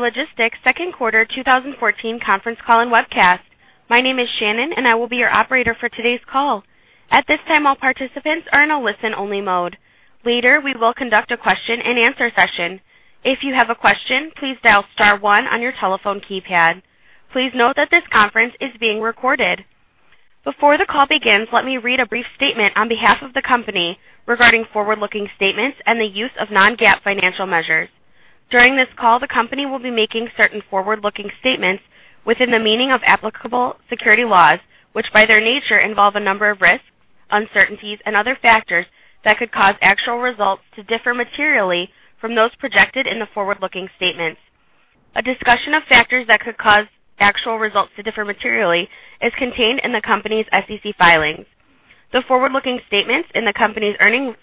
Welcome to the XPO Logistics second quarter 2014 conference call and webcast. My name is Shannon, and I will be your operator for today's call. At this time, all participants are in a listen-only mode. Later, we will conduct a question-and-answer session. If you have a question, please dial star one on your telephone keypad. Please note that this conference is being recorded. Before the call begins, let me read a brief statement on behalf of the company regarding forward-looking statements and the use of non-GAAP financial measures. During this call, the company will be making certain forward-looking statements within the meaning of applicable security laws, which, by their nature, involve a number of risks, uncertainties, and other factors that could cause actual results to differ materially from those projected in the forward-looking statements. A discussion of factors that could cause actual results to differ materially is contained in the company's SEC filings. The forward-looking statements in the company's earnings,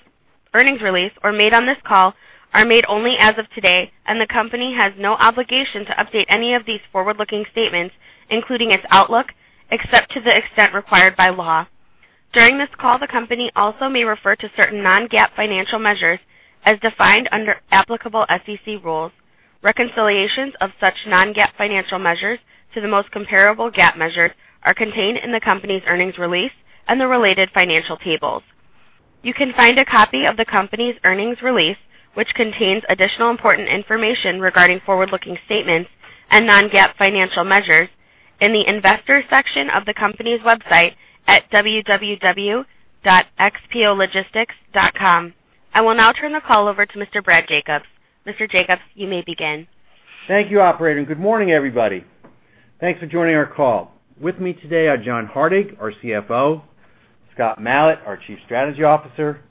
earnings release or made on this call are made only as of today, and the company has no obligation to update any of these forward-looking statements, including its outlook, except to the extent required by law. During this call, the company also may refer to certain non-GAAP financial measures as defined under applicable SEC rules. Reconciliations of such non-GAAP financial measures to the most comparable GAAP measures are contained in the company's earnings release and the related financial tables. You can find a copy of the company's earnings release, which contains additional important information regarding forward-looking statements and non-GAAP financial measures, in the Investors section of the company's website at www.xpologistics.com. I will now turn the call over to Mr. Brad Jacobs. Mr. Jacobs, you may begin. Thank you, operator, and good morning, everybody. Thanks for joining our call. With me today are John Hardig, our CFO, Scott Malat, our Chief Strategy Officer,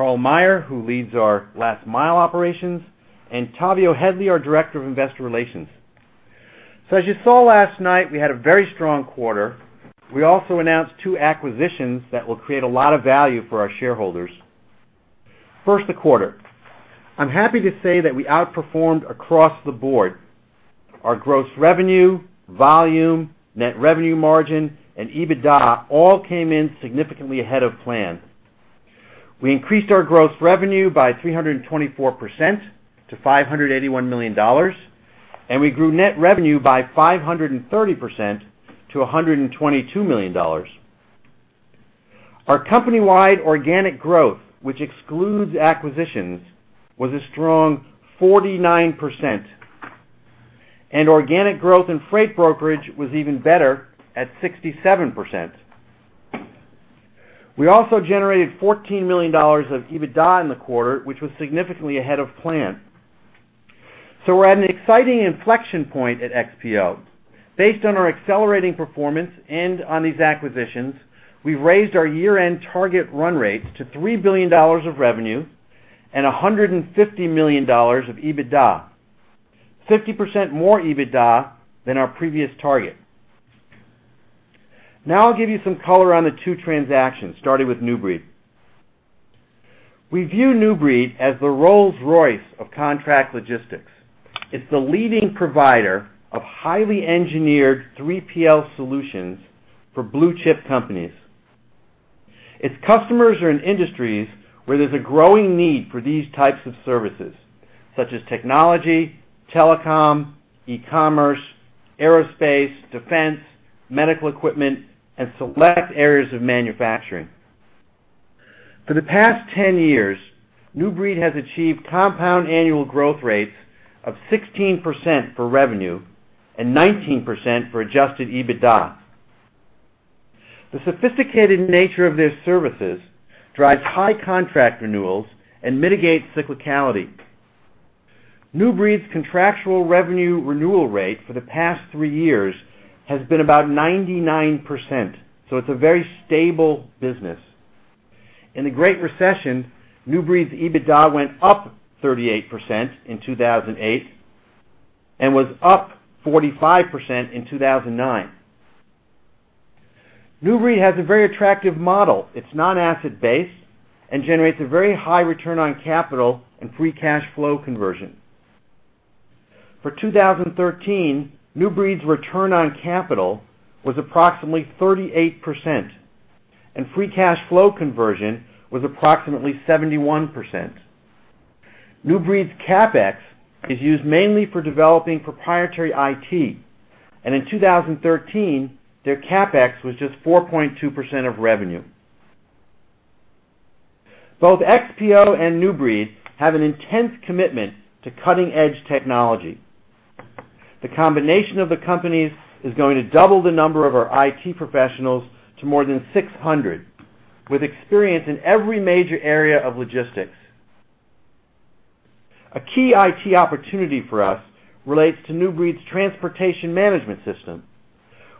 Karl Meyer, who leads our last mile operations, and Tavio Headley, our Director of Investor Relations. So as you saw last night, we had a very strong quarter. We also announced two acquisitions that will create a lot of value for our shareholders. First, the quarter. I'm happy to say that we outperformed across the board. Our gross revenue, volume, net revenue margin, and EBITDA all came in significantly ahead of plan. We increased our gross revenue by 324% to $581 million, and we grew net revenue by 530% to $122 million. Our company-wide organic growth, which excludes acquisitions, was a strong 49%, and organic growth in freight brokerage was even better at 67%. We also generated $14 million of EBITDA in the quarter, which was significantly ahead of plan. So we're at an exciting inflection point at XPO. Based on our accelerating performance and on these acquisitions, we've raised our year-end target run rates to $3 billion of revenue and $150 million of EBITDA, 50% more EBITDA than our previous target. Now I'll give you some color on the two transactions, starting with New Breed. We view New Breed as the Rolls-Royce of contract logistics. It's the leading provider of highly engineered 3PL solutions for blue chip companies. Its customers are in industries where there's a growing need for these types of services, such as technology, telecom, e-commerce, aerospace, defense, medical equipment, and select areas of manufacturing. For the past 10 years, New Breed has achieved compound annual growth rates of 16% for revenue and 19% for Adjusted EBITDA. The sophisticated nature of their services drives high contract renewals and mitigates cyclicality. New Breed's contractual revenue renewal rate for the past 3 years has been about 99%, so it's a very stable business. In the Great Recession, New Breed's EBITDA went up 38% in 2008 and was up 45% in 2009. New Breed has a very attractive model. It's non-asset-based and generates a very high return on capital and free cash flow conversion. For 2013, New Breed's return on capital was approximately 38%, and free cash flow conversion was approximately 71%. New Breed's CapEx is used mainly for developing proprietary IT, and in 2013, their CapEx was just 4.2% of revenue. Both XPO and New Breed have an intense commitment to cutting-edge technology. The combination of the companies is going to double the number of our IT professionals to more than 600, with experience in every major area of logistics. A key IT opportunity for us relates to New Breed's transportation management system.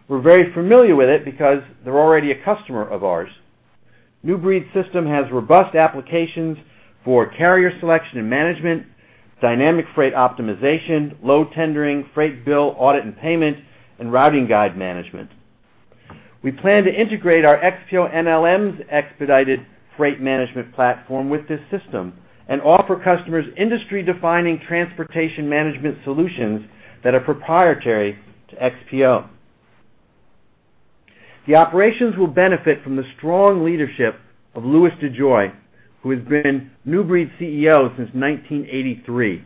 We're very familiar with it because they're already a customer of ours. New Breed's system has robust applications for carrier selection and management, dynamic freight optimization, load tendering, freight bill, audit and payment, and routing guide management. We plan to integrate our XPO NLM's expedited freight management platform with this system and offer customers industry-defining transportation management solutions that are proprietary to XPO. The operations will benefit from the strong leadership of Louis DeJoy, who has been New Breed's CEO since 1983.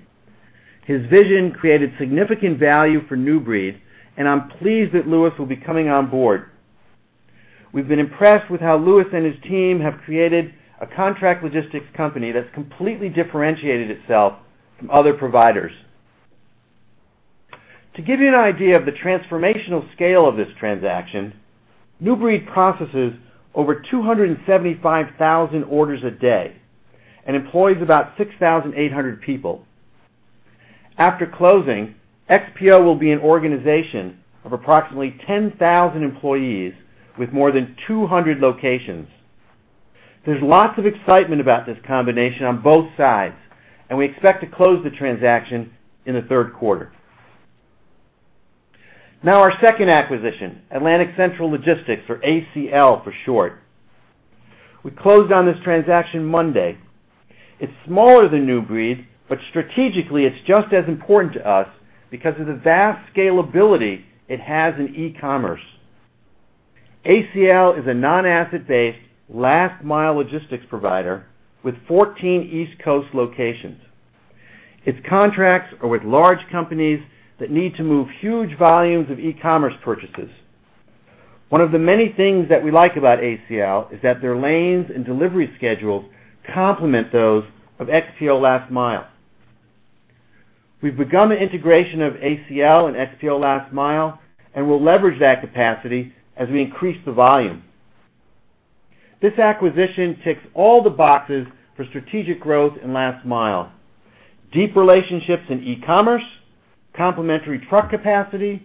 His vision created significant value for New Breed, and I'm pleased that Louis will be coming on board. We've been impressed with how Louis and his team have created a contract logistics company that's completely differentiated itself from other providers. To give you an idea of the transformational scale of this transaction, New Breed processes over 275,000 orders a day and employs about 6,800 people. After closing, XPO will be an organization of approximately 10,000 employees with more than 200 locations. There's lots of excitement about this combination on both sides, and we expect to close the transaction in the third quarter. Now, our second acquisition, Atlantic Central Logistics, or ACL for short. We closed on this transaction Monday. It's smaller than New Breed, but strategically it's just as important to us because of the vast scalability it has in e-commerce. ACL is a non-asset-based last-mile logistics provider with 14 East Coast locations. Its contracts are with large companies that need to move huge volumes of e-commerce purchases. One of the many things that we like about ACL is that their lanes and delivery schedules complement those of XPO Last Mile. We've begun the integration of ACL and XPO Last Mile, and we'll leverage that capacity as we increase the volume. This acquisition ticks all the boxes for strategic growth in last mile, deep relationships in e-commerce, complementary truck capacity,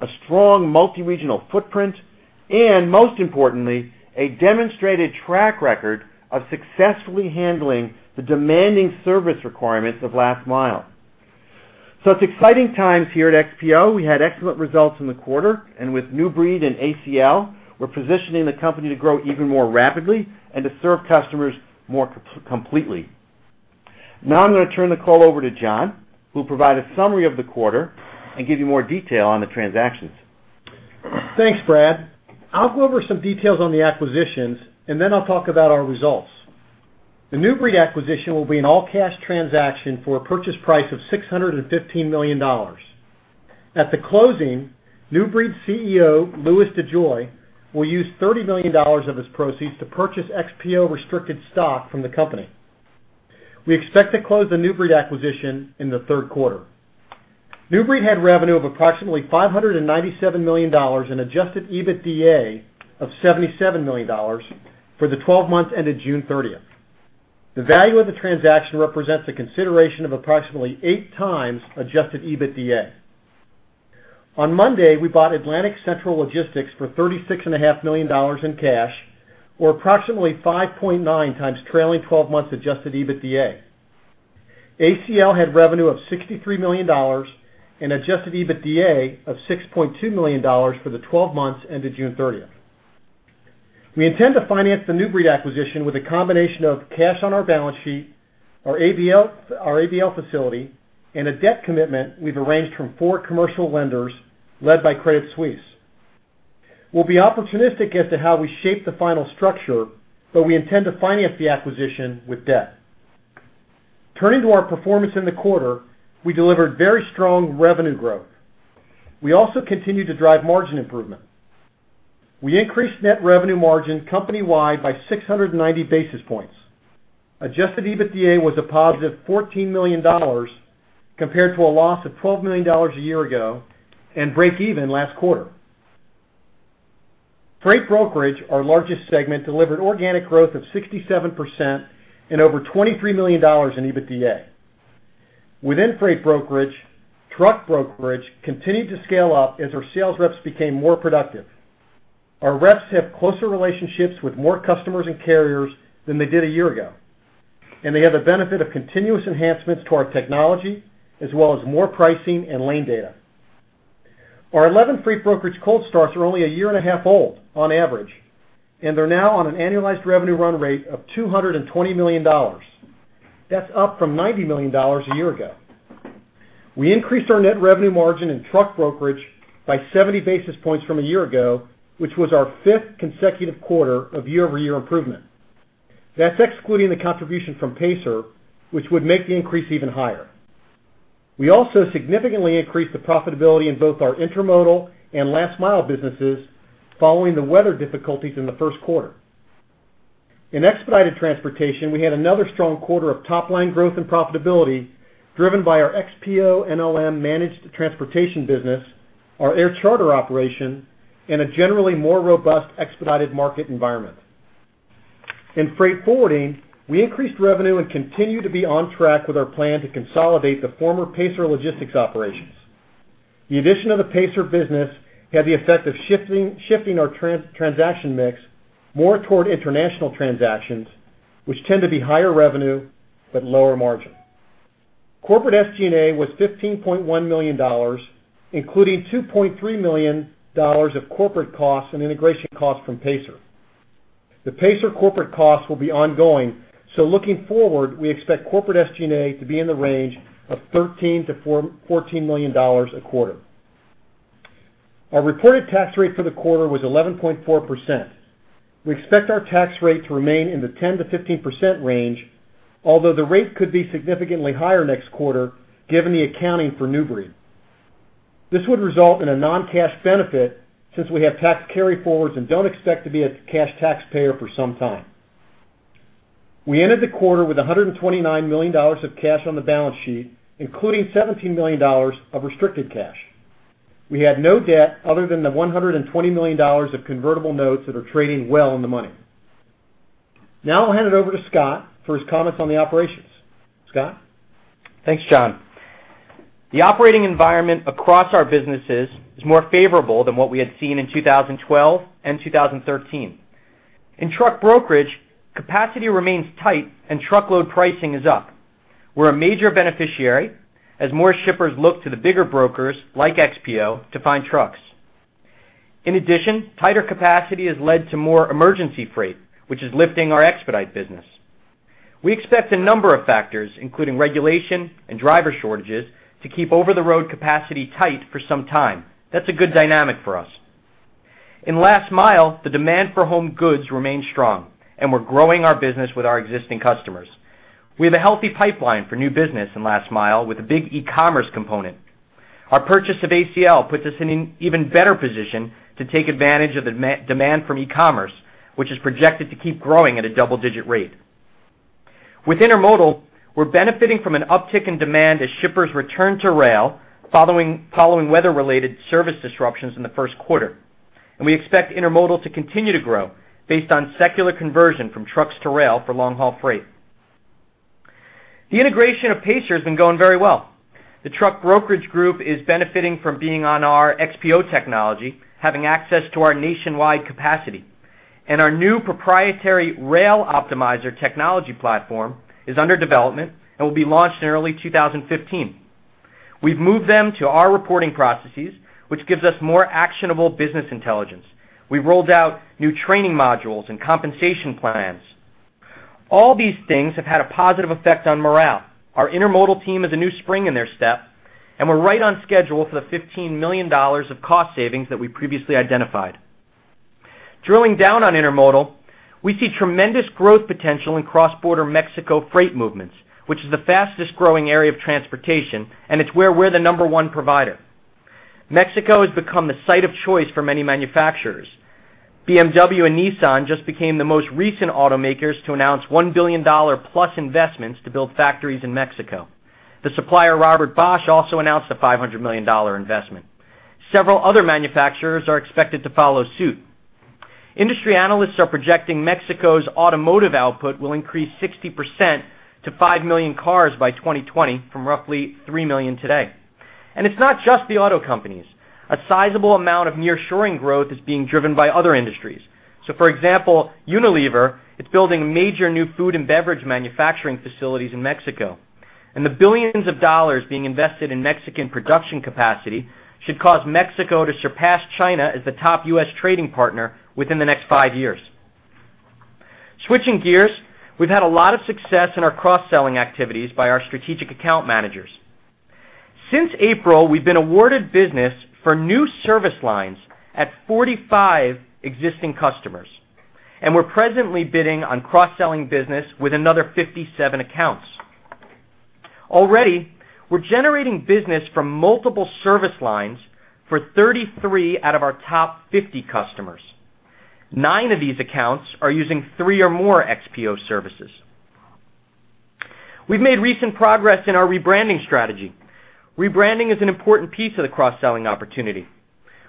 a strong multiregional footprint, and, most importantly, a demonstrated track record of successfully handling the demanding service requirements of last mile. So it's exciting times here at XPO. We had excellent results in the quarter, and with New Breed and ACL, we're positioning the company to grow even more rapidly and to serve customers more completely. Now I'm going to turn the call over to John, who will provide a summary of the quarter and give you more detail on the transactions. Thanks, Brad. I'll go over some details on the acquisitions, and then I'll talk about our results. The New Breed acquisition will be an all-cash transaction for a purchase price of $615 million. At the closing, New Breed's CEO, Louis DeJoy, will use $30 million of his proceeds to purchase XPO restricted stock from the company. We expect to close the New Breed acquisition in the third quarter. New Breed had revenue of approximately $597 million and adjusted EBITDA of $77 million for the twelve months ended June 30. The value of the transaction represents a consideration of approximately 8x adjusted EBITDA. On Monday, we bought Atlantic Central Logistics for $36.5 million in cash, or approximately 5.9x trailing twelve months adjusted EBITDA. ACL had revenue of $63 million and adjusted EBITDA of $6.2 million for the twelve months ended June 30. We intend to finance the New Breed acquisition with a combination of cash on our balance sheet, our ABL, our ABL facility, and a debt commitment we've arranged from four commercial lenders led by Credit Suisse. We'll be opportunistic as to how we shape the final structure, but we intend to finance the acquisition with debt. Turning to our performance in the quarter, we delivered very strong revenue growth. We also continued to drive margin improvement. We increased net revenue margin company-wide by 690 basis points. Adjusted EBITDA was a positive $14 million, compared to a loss of $12 million a year ago and breakeven last quarter. Freight brokerage, our largest segment, delivered organic growth of 67% and over $23 million in EBITDA. Within freight brokerage, truck brokerage continued to scale up as our sales reps became more productive. Our reps have closer relationships with more customers and carriers than they did a year ago, and they have the benefit of continuous enhancements to our technology, as well as more pricing and lane data. Our 11 freight brokerage cold starts are only a year and a half old on average, and they're now on an annualized revenue run rate of $220 million. That's up from $90 million a year ago. We increased our net revenue margin in truck brokerage by 70 basis points from a year ago, which was our fifth consecutive quarter of year-over-year improvement. That's excluding the contribution from Pacer, which would make the increase even higher. We also significantly increased the profitability in both our intermodal and last mile businesses following the weather difficulties in the first quarter. In expedited transportation, we had another strong quarter of top-line growth and profitability, driven by our XPO NLM managed transportation business, our air charter operation, and a generally more robust expedited market environment. In freight forwarding, we increased revenue and continued to be on track with our plan to consolidate the former Pacer Logistics operations. The addition of the Pacer business had the effect of shifting our transaction mix more toward international transactions, which tend to be higher revenue but lower margin. Corporate SG&A was $15.1 million, including $2.3 million of corporate costs and integration costs from Pacer. The Pacer corporate costs will be ongoing, so looking forward, we expect corporate SG&A to be in the range of $13 million-$14 million a quarter. Our reported tax rate for the quarter was 11.4%. We expect our tax rate to remain in the 10%-15% range, although the rate could be significantly higher next quarter, given the accounting for New Breed. This would result in a non-cash benefit, since we have tax carryforwards and don't expect to be a cash taxpayer for some time. We ended the quarter with $129 million of cash on the balance sheet, including $17 million of restricted cash. We had no debt other than the $120 million of convertible notes that are trading well in the money. Now I'll hand it over to Scott for his comments on the operations. Scott? Thanks, John. The operating environment across our businesses is more favorable than what we had seen in 2012 and 2013. In truck brokerage, capacity remains tight and truckload pricing is up. We're a major beneficiary, as more shippers look to the bigger brokers, like XPO, to find trucks. In addition, tighter capacity has led to more emergency freight, which is lifting our expedite business. We expect a number of factors, including regulation and driver shortages, to keep over-the-road capacity tight for some time. That's a good dynamic for us. In last mile, the demand for home goods remains strong, and we're growing our business with our existing customers. We have a healthy pipeline for new business in last mile with a big e-commerce component. Our purchase of ACL puts us in an even better position to take advantage of the mass demand from e-commerce, which is projected to keep growing at a double-digit rate. With intermodal, we're benefiting from an uptick in demand as shippers return to rail following weather-related service disruptions in the first quarter. We expect intermodal to continue to grow based on secular conversion from trucks to rail for long-haul freight. The integration of Pacer has been going very well. The truck brokerage group is benefiting from being on our XPO technology, having access to our nationwide capacity. Our new proprietary Rail Optimizer technology platform is under development and will be launched in early 2015. We've moved them to our reporting processes, which gives us more actionable business intelligence. We've rolled out new training modules and compensation plans. All these things have had a positive effect on morale. Our intermodal team has a new spring in their step, and we're right on schedule for the $15 million of cost savings that we previously identified. Drilling down on intermodal, we see tremendous growth potential in cross-border Mexico freight movements, which is the fastest-growing area of transportation, and it's where we're the number one provider. Mexico has become the site of choice for many manufacturers. BMW and Nissan just became the most recent automakers to announce $1 billion-plus investments to build factories in Mexico. The supplier, Robert Bosch, also announced a $500 million investment. Several other manufacturers are expected to follow suit. Industry analysts are projecting Mexico's automotive output will increase 60% to 5 million cars by 2020, from roughly 3 million today. It's not just the auto companies. A sizable amount of nearshoring growth is being driven by other industries. So, for example, Unilever is building major new food and beverage manufacturing facilities in Mexico. The billions of dollars being invested in Mexican production capacity should cause Mexico to surpass China as the top U.S. trading partner within the next 5 years. Switching gears, we've had a lot of success in our cross-selling activities by our strategic account managers. Since April, we've been awarded business for new service lines at 45 existing customers, and we're presently bidding on cross-selling business with another 57 accounts. Already, we're generating business from multiple service lines for 33 out of our top 50 customers. 9 of these accounts are using 3 or more XPO services. We've made recent progress in our rebranding strategy. Rebranding is an important piece of the cross-selling opportunity.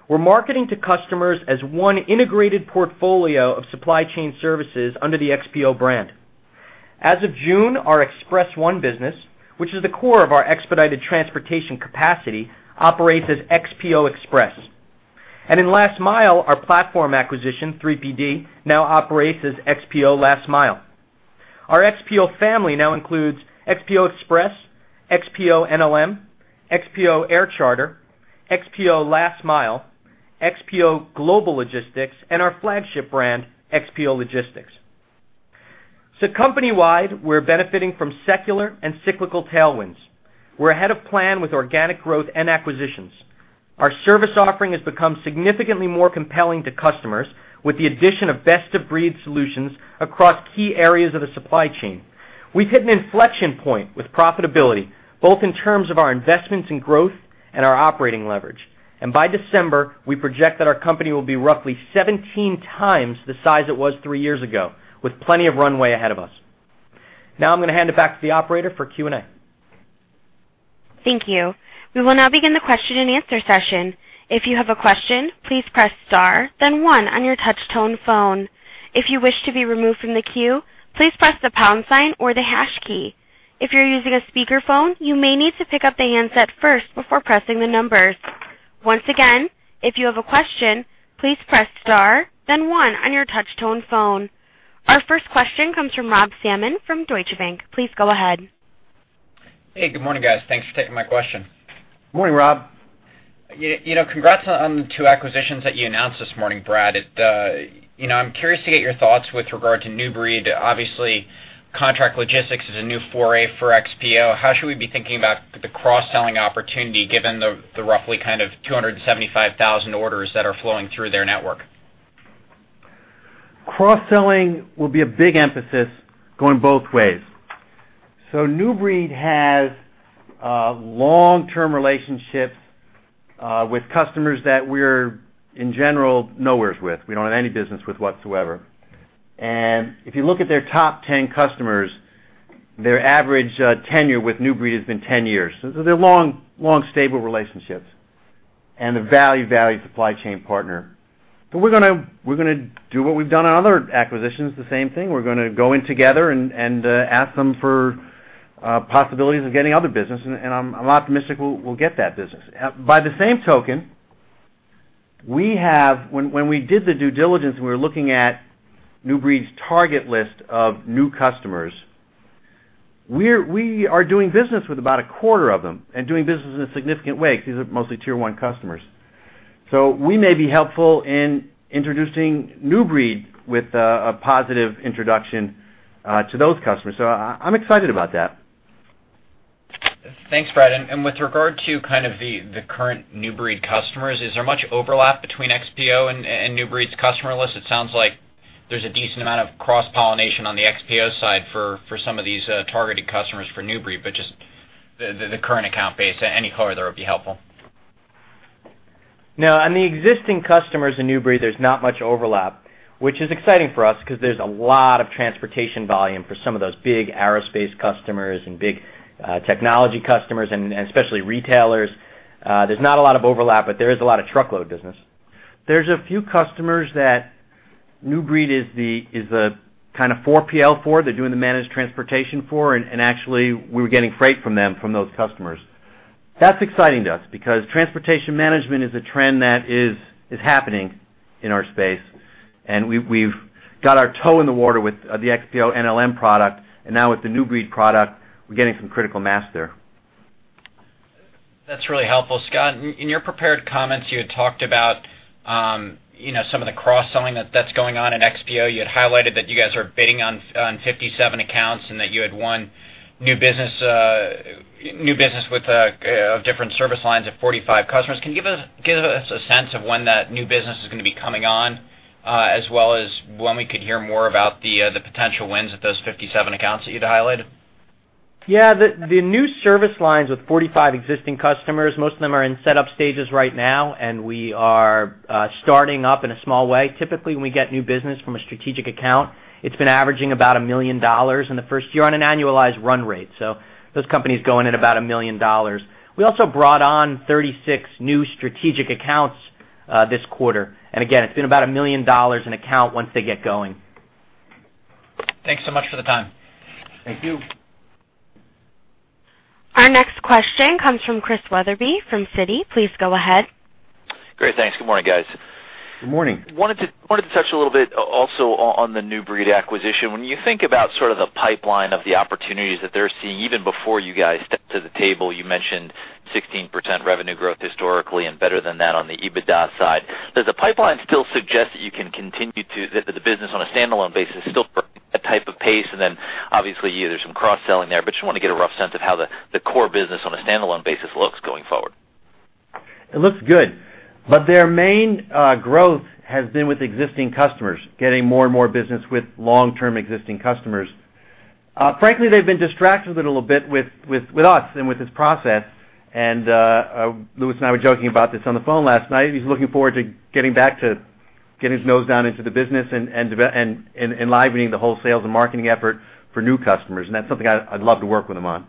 We're marketing to customers as one integrated portfolio of supply chain services under the XPO brand. As of June, our Express-1 business, which is the core of our expedited transportation capacity, operates as XPO Express. And in Last Mile, our platform acquisition, 3PD, now operates as XPO Last Mile. Our XPO family now includes XPO Express, XPO NLM, XPO Air Charter, XPO Last Mile, XPO Global Logistics, and our flagship brand, XPO Logistics. So company-wide, we're benefiting from secular and cyclical tailwinds. We're ahead of plan with organic growth and acquisitions. Our service offering has become significantly more compelling to customers, with the addition of best-of-breed solutions across key areas of the supply chain. We've hit an inflection point with profitability, both in terms of our investments in growth and our operating leverage. By December, we project that our company will be roughly 17 times the size it was 3 years ago, with plenty of runway ahead of us. Now I'm going to hand it back to the operator for Q&A. Thank you. We will now begin the question-and-answer session. If you have a question, please press star, then one on your touch-tone phone. If you wish to be removed from the queue, please press the pound sign or the hash key. If you're using a speakerphone, you may need to pick up the handset first before pressing the numbers. Once again, if you have a question, please press star, then one on your touch-tone phone. Our first question comes from Rob Salmon from Deutsche Bank. Please go ahead. Hey, good morning, guys. Thanks for taking my question. Good morning, Rob. You know, congrats on the two acquisitions that you announced this morning, Brad. It, you know, I'm curious to get your thoughts with regard to New Breed. Obviously, contract logistics is a new foray for XPO. How should we be thinking about the cross-selling opportunity, given the roughly kind of 275,000 orders that are flowing through their network? Cross-selling will be a big emphasis going both ways. So New Breed has long-term relationships with customers that we're, in general, nowheres with. We don't have any business with whatsoever. And if you look at their top 10 customers, their average tenure with New Breed has been 10 years. So they're long, long, stable relationships and a valued, valued supply chain partner. But we're gonna do what we've done on other acquisitions, the same thing. We're gonna go in together and ask them for possibilities of getting other business, and I'm optimistic we'll get that business. By the same token, we have, when we did the due diligence, and we were looking at New Breed's target list of new customers, we are doing business with about a quarter of them and doing business in a significant way because these are mostly Tier 1 customers. So we may be helpful in introducing New Breed with a positive introduction to those customers, so I'm excited about that. Thanks, Brad. And with regard to kind of the current New Breed customers, is there much overlap between XPO and New Breed's customer list? It sounds like there's a decent amount of cross-pollination on the XPO side for some of these targeted customers for New Breed, but just the current account base. Any color there would be helpful. No, on the existing customers in New Breed, there's not much overlap, which is exciting for us because there's a lot of transportation volume for some of those big aerospace customers and big, technology customers and, and especially retailers. There's not a lot of overlap, but there is a lot of truckload business. There's a few customers that New Breed is a kind of 4PL for, they're doing the managed transportation for, and actually, we're getting freight from them, from those customers. That's exciting to us because transportation management is a trend that is happening in our space, and we've got our toe in the water with the XPO NLM product, and now with the New Breed product, we're getting some critical mass there. That's really helpful. Scott, in your prepared comments, you had talked about, you know, some of the cross-selling that's going on in XPO. You had highlighted that you guys are bidding on 57 accounts, and that you had won new business with different service lines of 45 customers. Can you give us a sense of when that new business is going to be coming on, as well as when we could hear more about the potential wins with those 57 accounts that you'd highlighted? Yeah, the new service lines with 45 existing customers, most of them are in setup stages right now, and we are starting up in a small way. Typically, when we get new business from a strategic account, it's been averaging about $1 million in the first year on an annualized run rate. So those companies go in at about $1 million. We also brought on 36 new strategic accounts this quarter. And again, it's been about $1 million an account once they get going. Thanks so much for the time. Thank you. Our next question comes from Chris Wetherbee, from Citi. Please go ahead. Great. Thanks. Good morning, guys. Good morning. Wanted to touch a little bit also on the New Breed acquisition. When you think about sort of the pipeline of the opportunities that they're seeing, even before you guys stepped to the table, you mentioned 16% revenue growth historically and better than that on the EBITDA side. Does the pipeline still suggest that you can continue to the business on a standalone basis, still that type of pace? And then, obviously, there's some cross-selling there, but just want to get a rough sense of how the core business on a standalone basis looks going forward. It looks good, but their main growth has been with existing customers, getting more and more business with long-term existing customers. Frankly, they've been distracted a little bit with us and with this process. Louis and I were joking about this on the phone last night. He's looking forward to getting back to get his nose down into the business and enlivening the sales and marketing effort for new customers, and that's something I'd love to work with him on.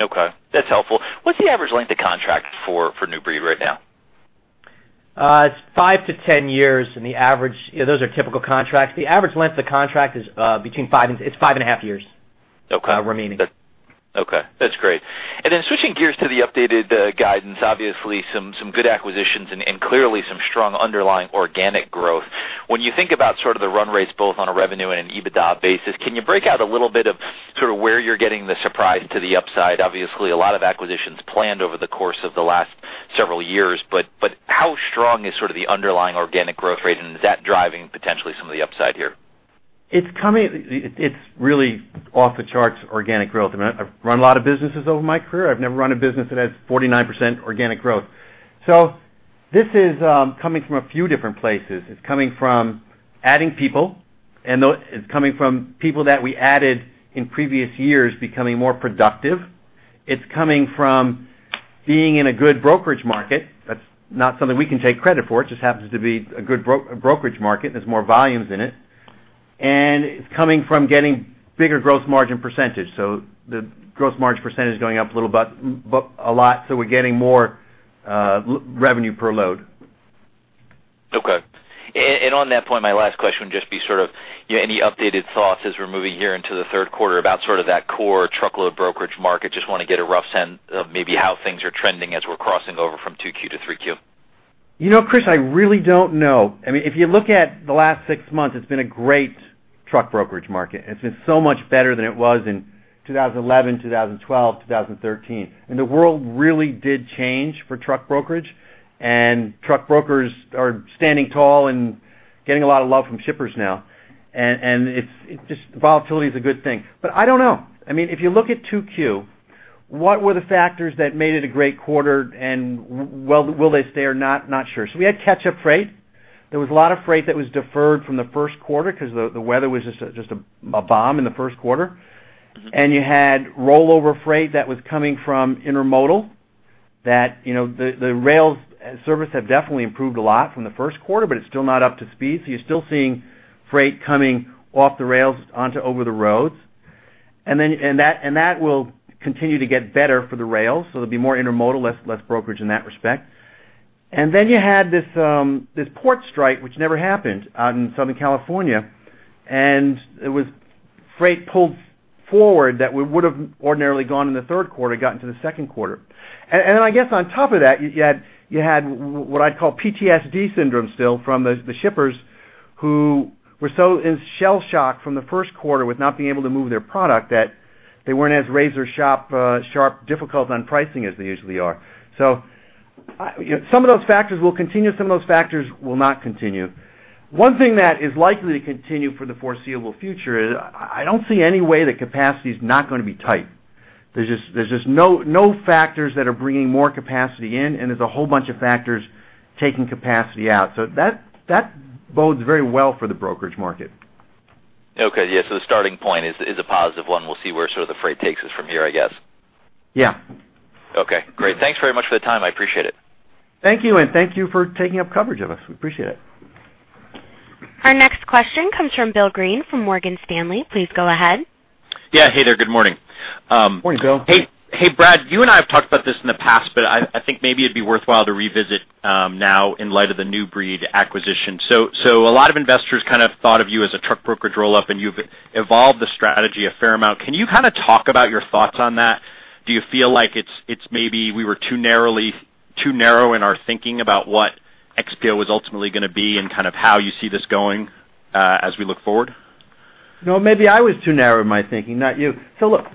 Okay, that's helpful. What's the average length of contract for New Breed right now? It's 5-10 years, and the average -- those are typical contracts. The average length of contract is, between 5 and -- it's 5.5 years- Okay. -uh, remaining. Okay, that's great. And then switching gears to the updated guidance, obviously some good acquisitions and clearly some strong underlying organic growth. When you think about sort of the run rates, both on a revenue and an EBITDA basis, can you break out a little bit of sort of where you're getting the surprise to the upside? Obviously, a lot of acquisitions planned over the course of the last several years, but how strong is sort of the underlying organic growth rate, and is that driving potentially some of the upside here? It's coming. It's really off the charts organic growth. I mean, I've run a lot of businesses over my career. I've never run a business that has 49% organic growth. So this is coming from a few different places. It's coming from adding people, and though it's coming from people that we added in previous years becoming more productive, it's coming from being in a good brokerage market. That's not something we can take credit for. It just happens to be a good brokerage market. There's more volumes in it, and it's coming from getting bigger gross margin percentage. So the gross margin percentage is going up a little bit, but a lot, so we're getting more revenue per load. Okay. And on that point, my last question would just be sort of, you know, any updated thoughts as we're moving here into the third quarter about sort of that core truckload brokerage market? Just want to get a rough sense of maybe how things are trending as we're crossing over from 2Q to 3Q.... You know, Chris, I really don't know. I mean, if you look at the last six months, it's been a great truck brokerage market. It's been so much better than it was in 2011, 2012, 2013. And the world really did change for truck brokerage, and truck brokers are standing tall and getting a lot of love from shippers now. And it's just, volatility is a good thing. But I don't know. I mean, if you look at 2Q, what were the factors that made it a great quarter, and will they stay or not? Not sure. So we had catch-up freight. There was a lot of freight that was deferred from the first quarter because the weather was just a bomb in the first quarter. And you had rollover freight that was coming from intermodal, that, you know, the rail service have definitely improved a lot from the first quarter, but it's still not up to speed, so you're still seeing freight coming off the rails onto over the roads. And then, and that, and that will continue to get better for the rails, so there'll be more intermodal, less brokerage in that respect. And then you had this port strike, which never happened out in Southern California, and it was freight pulled forward that would have ordinarily gone in the third quarter, got into the second quarter. I guess on top of that, you had what I'd call PTSD syndrome still from the shippers who were so shell-shocked from the first quarter with not being able to move their product, that they weren't as razor sharp, difficult on pricing as they usually are. So I... Some of those factors will continue, some of those factors will not continue. One thing that is likely to continue for the foreseeable future is I don't see any way that capacity is not going to be tight. There's just no factors that are bringing more capacity in, and there's a whole bunch of factors taking capacity out. So that bodes very well for the brokerage market. Okay. Yeah, so the starting point is a positive one. We'll see where sort of the freight takes us from here, I guess. Yeah. Okay, great. Thanks very much for the time. I appreciate it. Thank you, and thank you for taking up coverage of us. We appreciate it. Our next question comes from Bill Greene from Morgan Stanley. Please go ahead. Yeah. Hey there. Good morning, Morning, Bill. Hey, hey, Brad, you and I have talked about this in the past, but I think maybe it'd be worthwhile to revisit now in light of the New Breed acquisition. So a lot of investors kind of thought of you as a truck brokerage roll-up, and you've evolved the strategy a fair amount. Can you kind of talk about your thoughts on that? Do you feel like it's maybe we were too narrow in our thinking about what XPO was ultimately going to be and kind of how you see this going as we look forward? No, maybe I was too narrow in my thinking, not you. So look,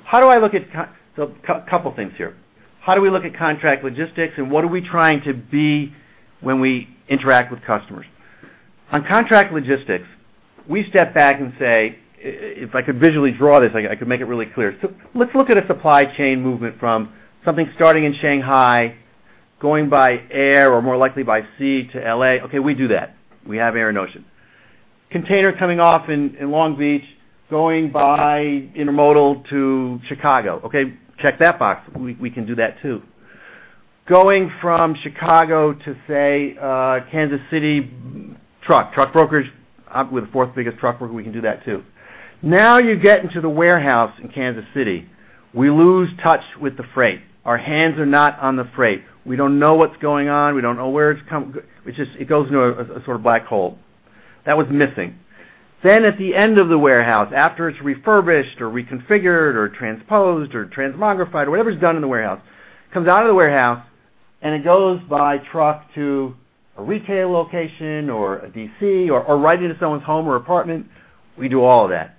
couple things here: How do we look at contract logistics, and what are we trying to be when we interact with customers? On contract logistics, we step back and say, if I could visually draw this, I could make it really clear. So let's look at a supply chain movement from something starting in Shanghai, going by air or more likely by sea to LA. Okay, we do that. We have air and ocean. Container coming off in Long Beach, going by intermodal to Chicago. Okay, check that box. We can do that, too. Going from Chicago to, say, Kansas City, truck brokers. We're the fourth biggest truck broker, we can do that, too. Now, you get into the warehouse in Kansas City, we lose touch with the freight. Our hands are not on the freight. We don't know what's going on. We don't know where it's come from. It just goes into a sort of black hole. That was missing. Then, at the end of the warehouse, after it's refurbished or reconfigured or transposed or transmogrified or whatever's done in the warehouse, it comes out of the warehouse, and it goes by truck to a retail location or a DC or right into someone's home or apartment. We do all of that.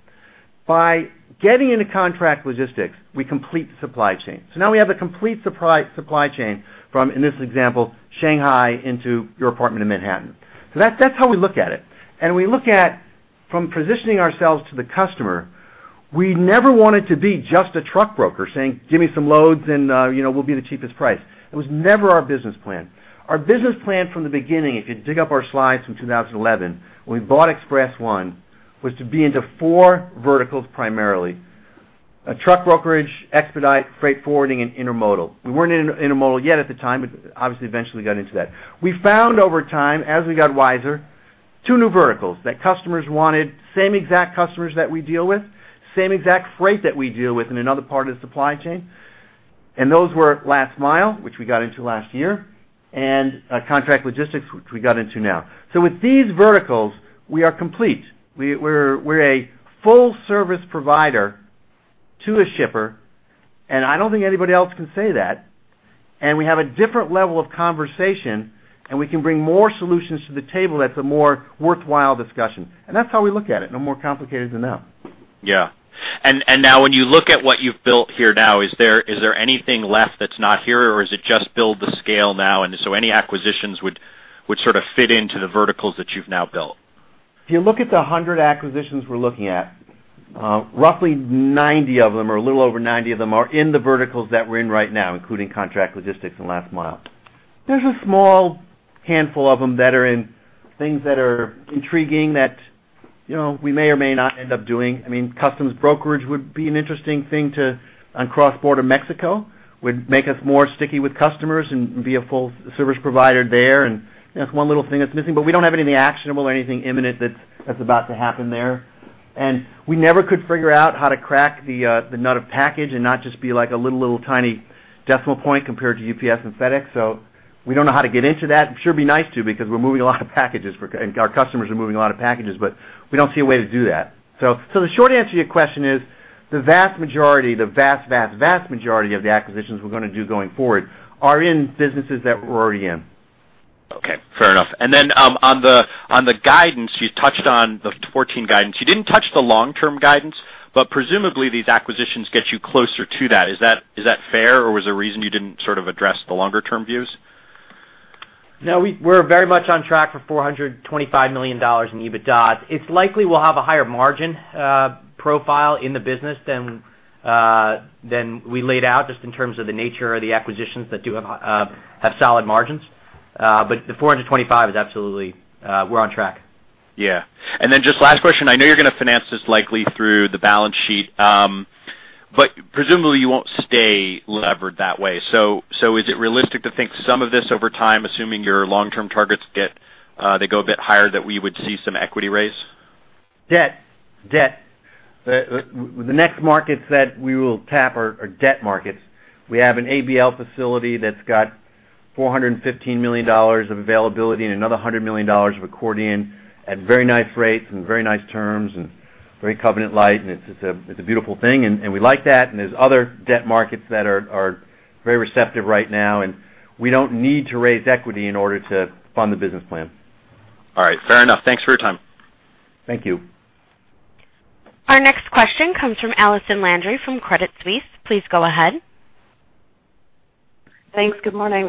By getting into contract logistics, we complete the supply chain. So now we have a complete supply chain from, in this example, Shanghai into your apartment in Manhattan. So that's how we look at it. We look at from positioning ourselves to the customer, we never wanted to be just a truck broker, saying, "Give me some loads, and, you know, we'll be the cheapest price." It was never our business plan. Our business plan from the beginning, if you dig up our slides from 2011, when we bought Express-1, was to be into four verticals, primarily: a truck brokerage, expedite, freight forwarding, and intermodal. We weren't in intermodal yet at the time, but obviously eventually got into that. We found over time, as we got wiser, two new verticals that customers wanted, same exact customers that we deal with, same exact freight that we deal with in another part of the supply chain, and those were last mile, which we got into last year, and, contract logistics, which we got into now. So with these verticals, we are complete. We're a full service provider to a shipper, and I don't think anybody else can say that, and we have a different level of conversation, and we can bring more solutions to the table that's a more worthwhile discussion. And that's how we look at it, no more complicated than that. Yeah. And now when you look at what you've built here now, is there anything left that's not here, or is it just build the scale now, and so any acquisitions would sort of fit into the verticals that you've now built? If you look at the 100 acquisitions we're looking at, roughly 90 of them, or a little over 90 of them, are in the verticals that we're in right now, including contract logistics and last mile. There's a small handful of them that are in things that are intriguing, that, you know, we may or may not end up doing. I mean, customs brokerage would be an interesting thing to, on cross-border Mexico, would make us more sticky with customers and be a full service provider there, and that's one little thing that's missing, but we don't have anything actionable or anything imminent that's, that's about to happen there. And we never could figure out how to crack the, the nut of package and not just be like a little, little tiny decimal point compared to UPS and FedEx. So we don't know how to get into that. It sure would be nice to, because we're moving a lot of packages, and our customers are moving a lot of packages, but we don't see a way to do that. So, the short answer to your question is the vast majority, the vast, vast, vast majority of the acquisitions we're going to do going forward are in businesses that we're already in. Okay, fair enough. Then, on the guidance, you touched on the 14 guidance. You didn't touch the long-term guidance, but presumably, these acquisitions get you closer to that. Is that fair, or was there a reason you didn't sort of address the longer-term views? No, we're very much on track for $425 million in EBITDA. It's likely we'll have a higher margin profile in the business than we laid out, just in terms of the nature of the acquisitions that do have solid margins. But the $425 million is absolutely, we're on track. Yeah. And then just last question. I know you're going to finance this likely through the balance sheet, but presumably, you won't stay levered that way. So, is it realistic to think some of this over time, assuming your long-term targets get, they go a bit higher, that we would see some equity raise? Debt, debt. The next markets that we will tap are debt markets. We have an ABL facility that's got $415 million of availability and another $100 million of accordion at very nice rates and very nice terms and very covenant light, and it's a beautiful thing, and we like that. And there's other debt markets that are very receptive right now, and we don't need to raise equity in order to fund the business plan. All right. Fair enough. Thanks for your time. Thank you. Our next question comes from Allison Landry from Credit Suisse. Please go ahead. Thanks. Good morning.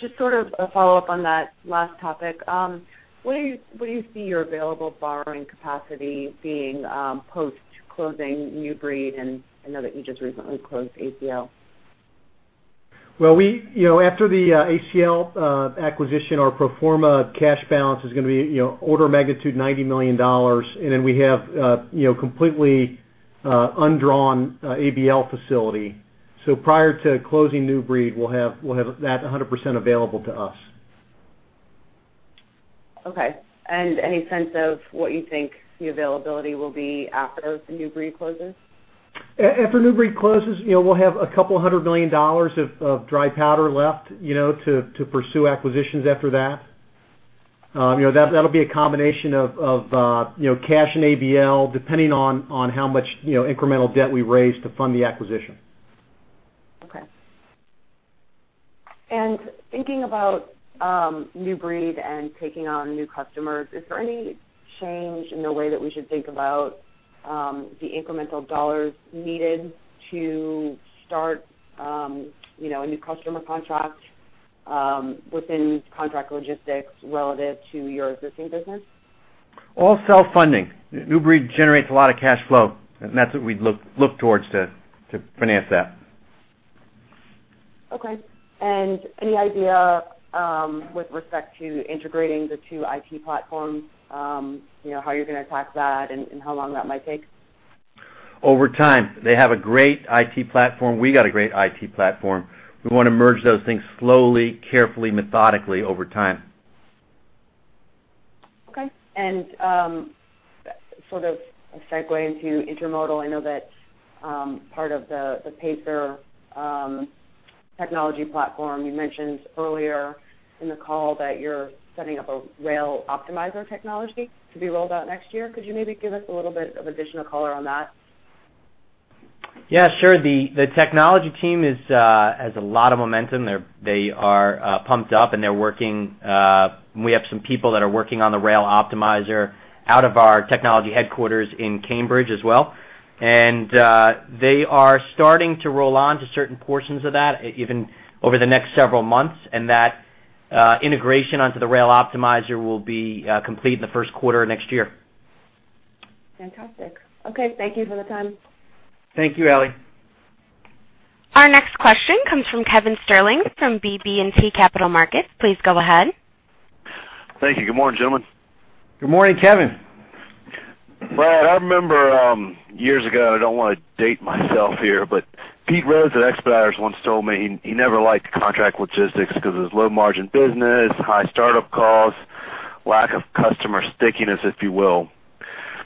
Just sort of a follow-up on that last topic. What do you, what do you see your available borrowing capacity being, post-closing New Breed? And I know that you just recently closed ACL. Well, we, you know, after the ACL acquisition, our pro forma cash balance is going to be, you know, order magnitude, $90 million. And then we have, you know, completely undrawn ABL facility. So prior to closing New Breed, we'll have, we'll have that 100% available to us. Okay. And any sense of what you think the availability will be after New Breed closes? After New Breed closes, you know, we'll have a couple of hundred million dollars of dry powder left, you know, to pursue acquisitions after that. You know, that, that'll be a combination of you know, cash and ABL, depending on how much, you know, incremental debt we raise to fund the acquisition. Okay. Thinking about New Breed and taking on new customers, is there any change in the way that we should think about the incremental dollars needed to start, you know, a new customer contract within contract logistics relative to your existing business? All self-funding. New Breed generates a lot of cash flow, and that's what we'd look towards to finance that. Okay. Any idea with respect to integrating the two IT platforms, you know, how you're going to attack that and how long that might take? Over time. They have a great IT platform. We got a great IT platform. We want to merge those things slowly, carefully, methodically over time. Okay. And, sort of a segue into intermodal. I know that, part of the Pacer technology platform, you mentioned earlier in the call that you're setting up a Rail Optimizer technology to be rolled out next year. Could you maybe give us a little bit of additional color on that? Yeah, sure. The technology team has a lot of momentum. They're pumped up, and they're working. We have some people that are working on the Rail Optimizer out of our technology headquarters in Cambridge as well. And they are starting to roll on to certain portions of that, even over the next several months, and that integration onto the Rail Optimizer will be complete in the first quarter of next year. Fantastic. Okay. Thank you for the time. Thank you, Allie. Our next question comes from Kevin Sterling from BB&T Capital Markets. Please go ahead. Thank you. Good morning, gentlemen. Good morning, Kevin. Brad, I remember years ago, I don't want to date myself here, but Peter Rose at Expeditors once told me he never liked contract logistics because it was low-margin business, high startup costs, lack of customer stickiness, if you will.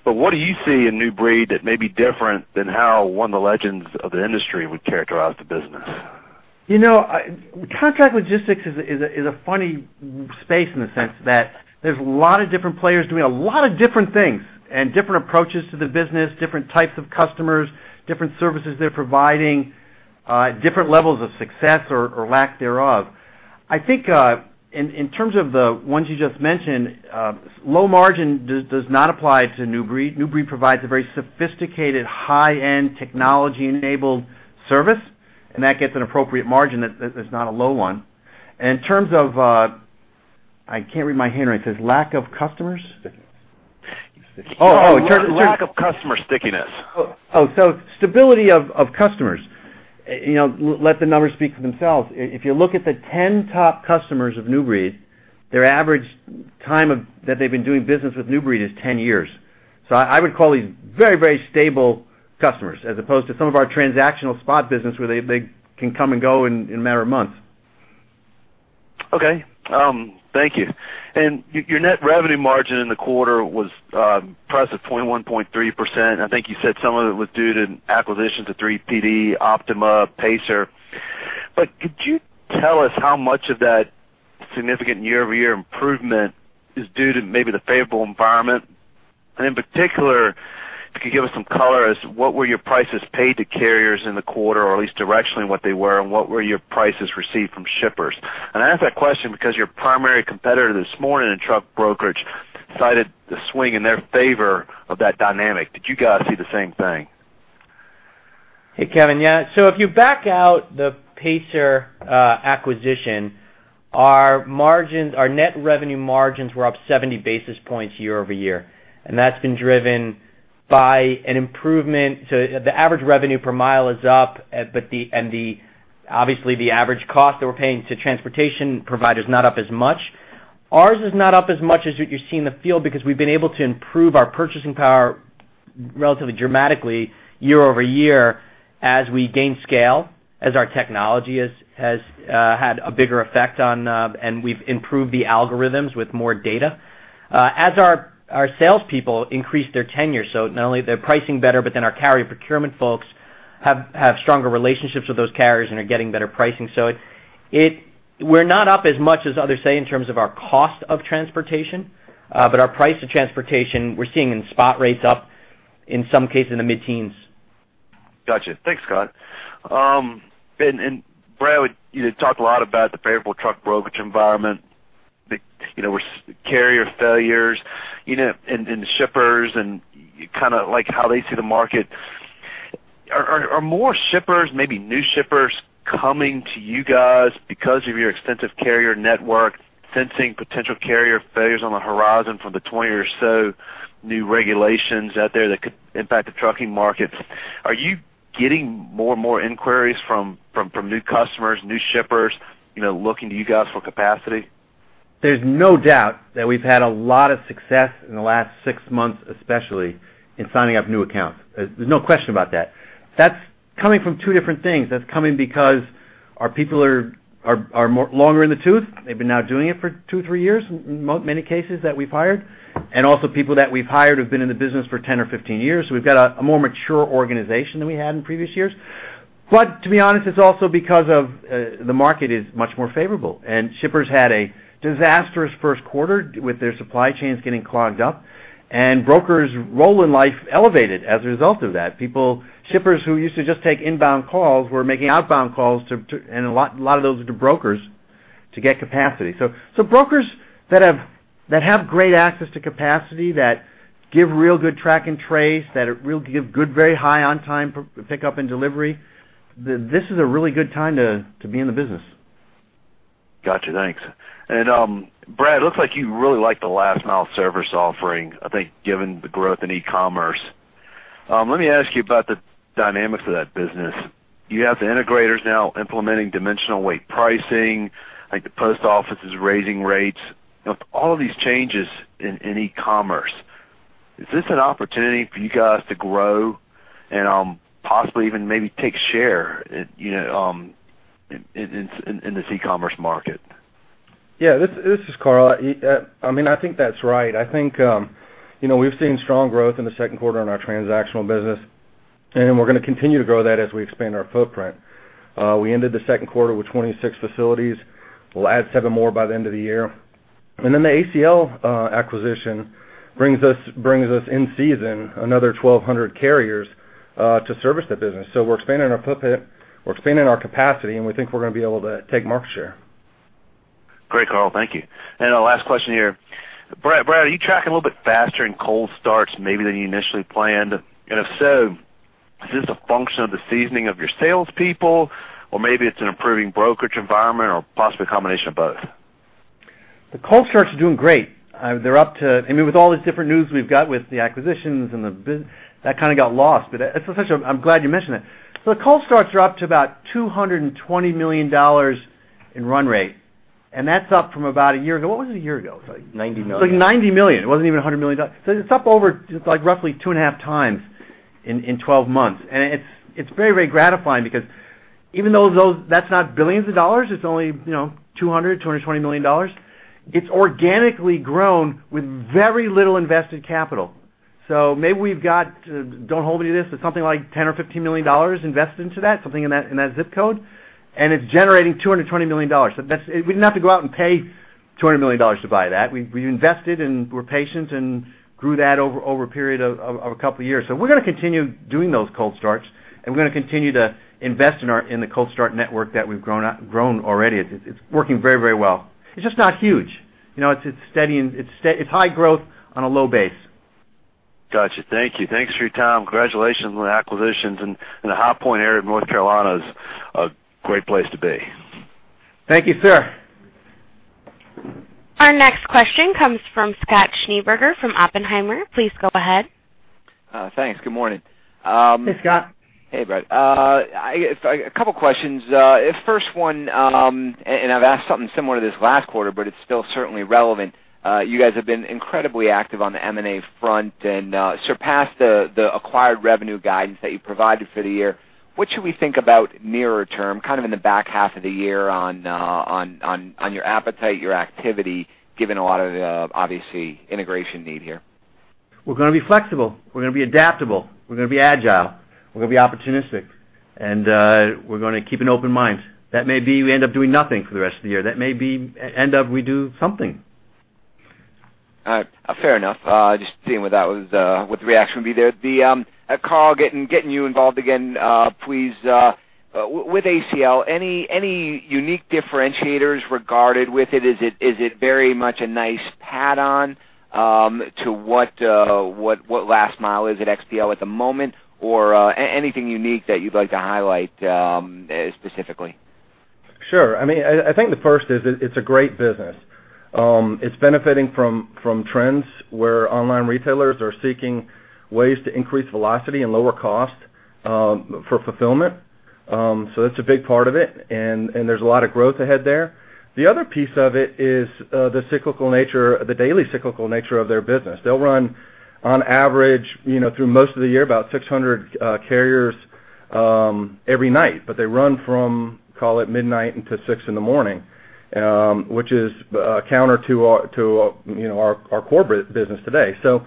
But what do you see in New Breed that may be different than how one of the legends of the industry would characterize the business? You know, contract logistics is a funny space in the sense that there's a lot of different players doing a lot of different things and different approaches to the business, different types of customers, different services they're providing, different levels of success or lack thereof. I think, in terms of the ones you just mentioned, low margin does not apply to New Breed. New Breed provides a very sophisticated, high-end, technology-enabled service, and that gets an appropriate margin that is not a low one. And in terms of, I can't read my handwriting. It says, "Lack of customers? Stickiness. Oh, oh, in terms of- Lack of customer stickiness. Oh, so stability of customers. You know, let the numbers speak for themselves. If you look at the 10 top customers of New Breed, their average time of—that they've been doing business with New Breed is 10 years. So I would call these very, very stable customers, as opposed to some of our transactional spot business, where they can come and go in a matter of months. Okay, thank you. And your net revenue margin in the quarter was priced at 1.3%. I think you said some of it was due to acquisitions of 3PD, Optima, Pacer. But could you tell us how much of that significant year-over-year improvement is due to maybe the favorable environment? And in particular, if you could give us some color as to what were your prices paid to carriers in the quarter, or at least directionally, what they were, and what were your prices received from shippers? And I ask that question because your primary competitor this morning in truck brokerage cited the swing in their favor of that dynamic. Did you guys see the same thing? Hey, Kevin. Yeah, so if you back out the Pacer acquisition, our margins, our net revenue margins were up 70 basis points year-over-year, and that's been driven by an improvement to the average revenue per mile is up, but, obviously, the average cost that we're paying to transportation provider is not up as much. Ours is not up as much as what you see in the field because we've been able to improve our purchasing power relatively dramatically year-over-year as we gain scale, as our technology has had a bigger effect on, and we've improved the algorithms with more data, as our salespeople increase their tenure. So not only they're pricing better, but then our carrier procurement folks have stronger relationships with those carriers and are getting better pricing. So we're not up as much as others, say, in terms of our cost of transportation, but our price of transportation, we're seeing in spot rates up, in some cases, in the mid-teens. Gotcha. Thanks, Scott. And Brad, you talk a lot about the favorable truck brokerage environment, you know, with carrier failures, you know, and the shippers and kind of like how they see the market. Are more shippers, maybe new shippers, coming to you guys because of your extensive carrier network, sensing potential carrier failures on the horizon from the 20 or so new regulations out there that could impact the trucking market? Are you getting more and more inquiries from new customers, new shippers, you know, looking to you guys for capacity? There's no doubt that we've had a lot of success in the last six months, especially in signing up new accounts. There's no question about that. That's coming from two different things. That's coming because our people are more long in the tooth. They've been now doing it for two, three years, in many cases, that we've hired, and also people that we've hired have been in the business for 10 or 15 years. So we've got a more mature organization than we had in previous years. But to be honest, it's also because of the market is much more favorable, and shippers had a disastrous first quarter with their supply chains getting clogged up, and brokers' role in life elevated as a result of that. Shippers who used to just take inbound calls were making outbound calls to brokers to get capacity. So brokers that have great access to capacity, that give real good track and trace, that give good very high on-time pickup and delivery, this is a really good time to be in the business. Got you. Thanks. And, Brad, it looks like you really like the last mile service offering, I think, given the growth in e-commerce. Let me ask you about the dynamics of that business. You have the integrators now implementing dimensional weight pricing, like the post office is raising rates. With all of these changes in e-commerce, is this an opportunity for you guys to grow and, possibly even maybe take share, you know, in this e-commerce market? Yeah, this, this is Karl. I mean, I think that's right. I think, you know, we've seen strong growth in the second quarter on our transactional business, and we're going to continue to grow that as we expand our footprint. We ended the second quarter with 26 facilities. We'll add seven more by the end of the year. And then the ACL acquisition brings us, brings us in season, another 1,200 carriers, to service the business. So we're expanding our footprint, we're expanding our capacity, and we think we're going to be able to take market share. Great, Karl. Thank you. Our last question here. Brad, Brad, are you tracking a little bit faster in cold starts maybe than you initially planned? And if so, is this a function of the seasoning of your salespeople, or maybe it's an improving brokerage environment, or possibly a combination of both? The cold starts are doing great. They're up to... I mean, with all this different news we've got with the acquisitions and that kind of got lost, but it's. I'm glad you mentioned that. So the cold starts are up to about $220 million in run rate, and that's up from about a year ago. What was it a year ago? Ninety million. Like $90 million. It wasn't even $100 million. So it's up over, like, roughly 2.5 times in 12 months. And it's very, very gratifying because even though those, that's not billions of dollars, it's only, you know, $220 million. It's organically grown with very little invested capital. So maybe we've got, don't hold me to this, but something like $10 or $15 million invested into that, something in that zip code, and it's generating $220 million. So that's, we didn't have to go out and pay $200 million to buy that. We invested and we're patient and grew that over a period of a couple of years. We're going to continue doing those cold starts, and we're going to continue to invest in the cold start network that we've grown already. It's working very, very well. It's just not huge. You know, it's steady and it's high growth on a low base. Got you. Thank you. Thanks for your time. Congratulations on the acquisitions, and the High Point area of North Carolina is a great place to be. Thank you, sir. Our next question comes from Scott Schneeberger from Oppenheimer. Please go ahead. Thanks. Good morning. Hey, Scott. Hey, Brad. A couple questions. First one, and I've asked something similar to this last quarter, but it's still certainly relevant. You guys have been incredibly active on the M&A front and surpassed the acquired revenue guidance that you provided for the year. What should we think about nearer term, kind of in the back half of the year on your appetite, your activity, given a lot of the, obviously, integration need here?... We're going to be flexible, we're going to be adaptable, we're going to be agile, we're going to be opportunistic, and we're going to keep an open mind. That may be we end up doing nothing for the rest of the year. That may be end up, we do something. All right. Fair enough. Just seeing what that was, what the reaction would be there. Karl, getting you involved again, please, with ACL, any unique differentiators regarding it? Is it very much a nice add-on to what last mile is at XPO at the moment? Or anything unique that you'd like to highlight specifically? Sure. I mean, I think the first is it's a great business. It's benefiting from trends where online retailers are seeking ways to increase velocity and lower cost for fulfillment. So that's a big part of it, and there's a lot of growth ahead there. The other piece of it is the cyclical nature, the daily cyclical nature of their business. They'll run on average, you know, through most of the year, about 600 carriers every night. But they run from, call it midnight until 6:00 A.M., which is counter to our, you know, our corporate business today. So,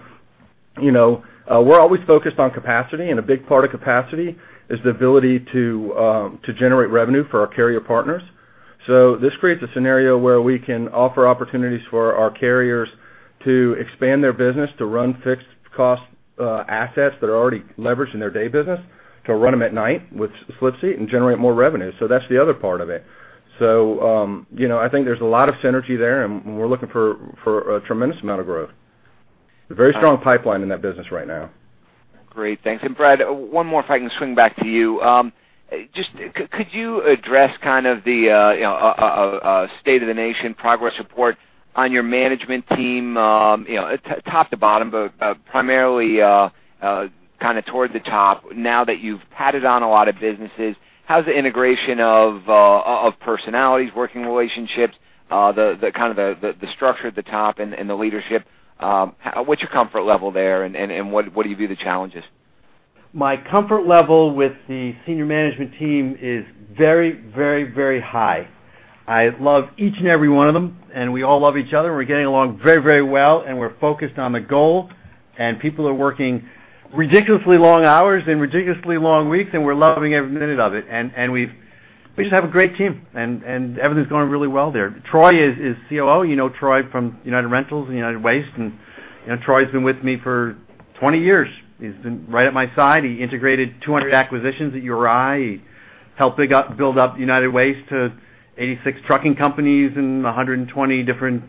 you know, we're always focused on capacity, and a big part of capacity is the ability to generate revenue for our carrier partners. So this creates a scenario where we can offer opportunities for our carriers to expand their business, to run fixed cost, assets that are already leveraged in their day business, to run them at night with slip seat and generate more revenue. So that's the other part of it. So, you know, I think there's a lot of synergy there, and we're looking for a tremendous amount of growth. A very strong pipeline in that business right now. Great, thanks. And Brad, one more, if I can swing back to you. Just could you address kind of the state of the nation progress report on your management team, you know, top to bottom, but primarily kind of towards the top. Now that you've added on a lot of businesses, how's the integration of personalities, working relationships, the kind of structure at the top and the leadership? What's your comfort level there, and what do you view the challenges? My comfort level with the senior management team is very, very, very high. I love each and every one of them, and we all love each other. We're getting along very, very well, and we're focused on the goal, and people are working ridiculously long hours and ridiculously long weeks, and we're loving every minute of it. And we just have a great team, and everything's going really well there. Troy is COO. You know Troy from United Rentals and United Waste, and, you know, Troy's been with me for 20 years. He's been right at my side. He integrated 200 acquisitions at URI. He helped build up United Waste to 86 trucking companies and 120 different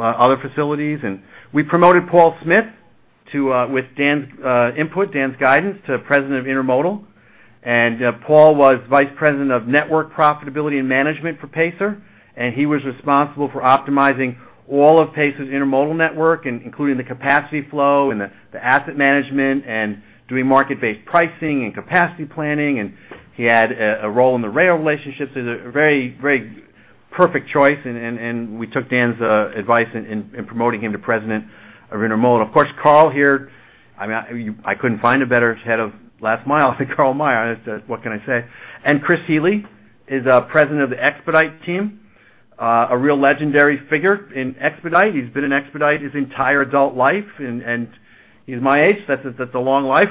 other facilities. And we promoted Paul Smith to, with Dan's input, Dan's guidance, to President of Intermodal. And, Paul was Vice President of Network Profitability and Management for Pacer, and he was responsible for optimizing all of Pacer's intermodal network, including the capacity flow and the asset management and doing market-based pricing and capacity planning, and he had a role in the rail relationships. He's a very, very perfect choice, and we took Dan's advice in promoting him to President of Intermodal. Of course, Karl here, I mean, I couldn't find a better head of last mile than Karl Meyer. What can I say? And Chris Healy is President of the expedited team, a real legendary figure in expedited. He's been in expedited his entire adult life, and he's my age. That's a long life.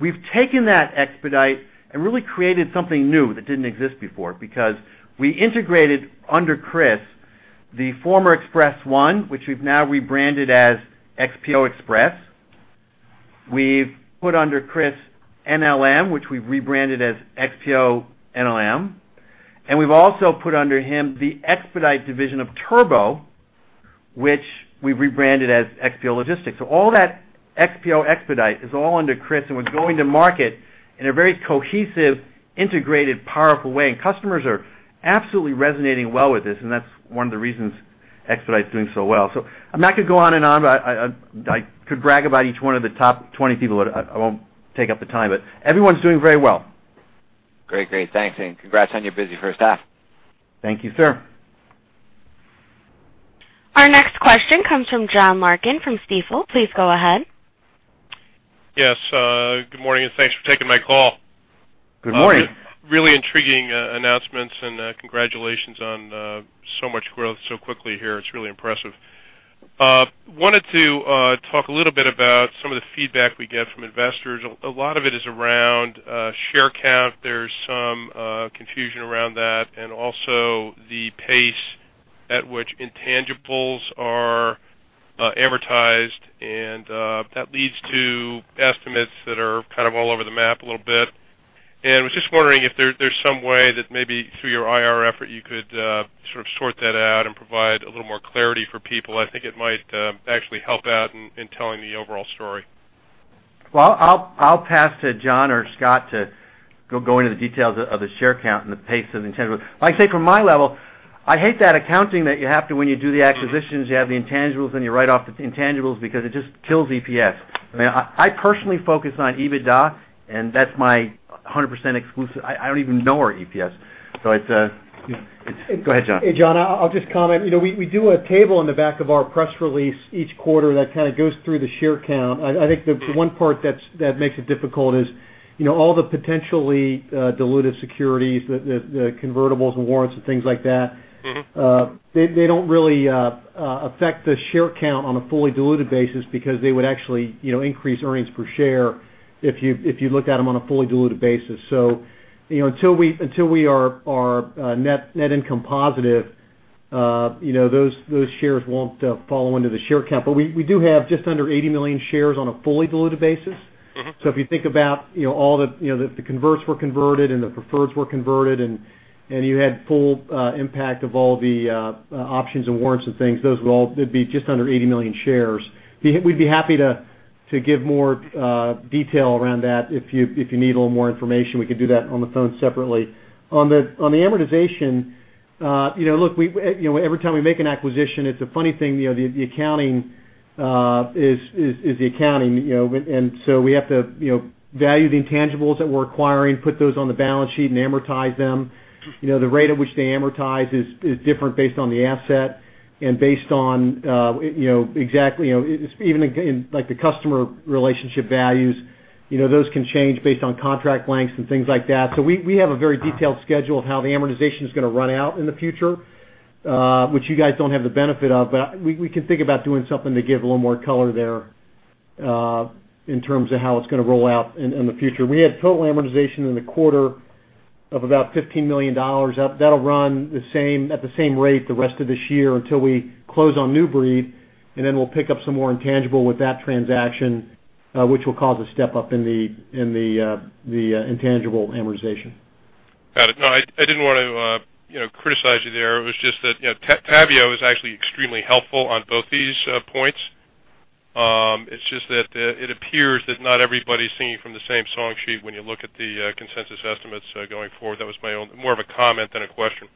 We've taken that Expedite and really created something new that didn't exist before because we integrated under Chris, the former Express-1, which we've now rebranded as XPO Express. We've put under Chris, NLM, which we've rebranded as XPO NLM, and we've also put under him the Expedite division of Turbo, which we've rebranded as XPO Logistics. So all that XPO Expedite is all under Chris, and we're going to market in a very cohesive, integrated, powerful way. And customers are absolutely resonating well with this, and that's one of the reasons Expedite is doing so well. So I'm not going to go on and on, but I could brag about each one of the top 20 people, but I won't take up the time, but everyone's doing very well. Great. Great, thanks, and congrats on your busy first half. Thank you, sir. Our next question comes from John Larkin from Stifel. Please go ahead. Yes, good morning, and thanks for taking my call. Good morning. Really intriguing announcements, and congratulations on so much growth so quickly here. It's really impressive. Wanted to talk a little bit about some of the feedback we get from investors. A lot of it is around share count. There's some confusion around that, and also the pace at which intangibles are amortized, and that leads to estimates that are kind of all over the map a little bit. I was just wondering if there's some way that maybe through your IR effort, you could sort that out and provide a little more clarity for people. I think it might actually help out in telling the overall story. Well, I'll, I'll pass to John or Scott to go, go into the details of the share count and the pace of the intangible. I'd say from my level, I hate that accounting that you have to when you do the acquisitions, you have the intangibles, and you write off the intangibles because it just kills EPS. I mean, I personally focus on EBITDA, and that's my 100% exclusive. I, I don't even know our EPS, so it's... Go ahead, John. Hey, John, I'll just comment. You know, we do a table on the back of our press release each quarter that kind of goes through the share count. I think the one part that's that makes it difficult is, you know, all the potentially diluted securities, the convertibles and warrants and things like that- Mm-hmm. They don't really affect the share count on a fully diluted basis because they would actually, you know, increase earnings per share if you look at them on a fully diluted basis. So, you know, until we are net income positive,... you know, those shares won't fall into the share count. But we do have just under 80 million shares on a fully diluted basis. Mm-hmm. So if you think about, you know, all the, you know, the converts were converted and the preferreds were converted, and, and you had full impact of all the options and warrants and things, those would all- it'd be just under 80 million shares. We'd be happy to give more detail around that if you need a little more information, we can do that on the phone separately. On the amortization, you know, look, we, you know, every time we make an acquisition, it's a funny thing, you know, the accounting is the accounting, you know, and so we have to value the intangibles that we're acquiring, put those on the balance sheet and amortize them. You know, the rate at which they amortize is different based on the asset and based on, you know, exactly, you know, even, again, like the customer relationship values, you know, those can change based on contract lengths and things like that. So we, we have a very detailed schedule of how the amortization is going to run out in the future, which you guys don't have the benefit of, but we, we can think about doing something to give a little more color there, in terms of how it's going to roll out in the future. We had total amortization in the quarter of about $15 million. That, that'll run the same at the same rate the rest of this year until we close on New Breed, and then we'll pick up some more intangible with that transaction, which will cause a step up in the intangible amortization. Got it. No, I didn't want to, you know, criticize you there. It was just that, you know, Tavio is actually extremely helpful on both these points. It's just that, it appears that not everybody's singing from the same song sheet when you look at the consensus estimates going forward. That was my own... More of a comment than a question.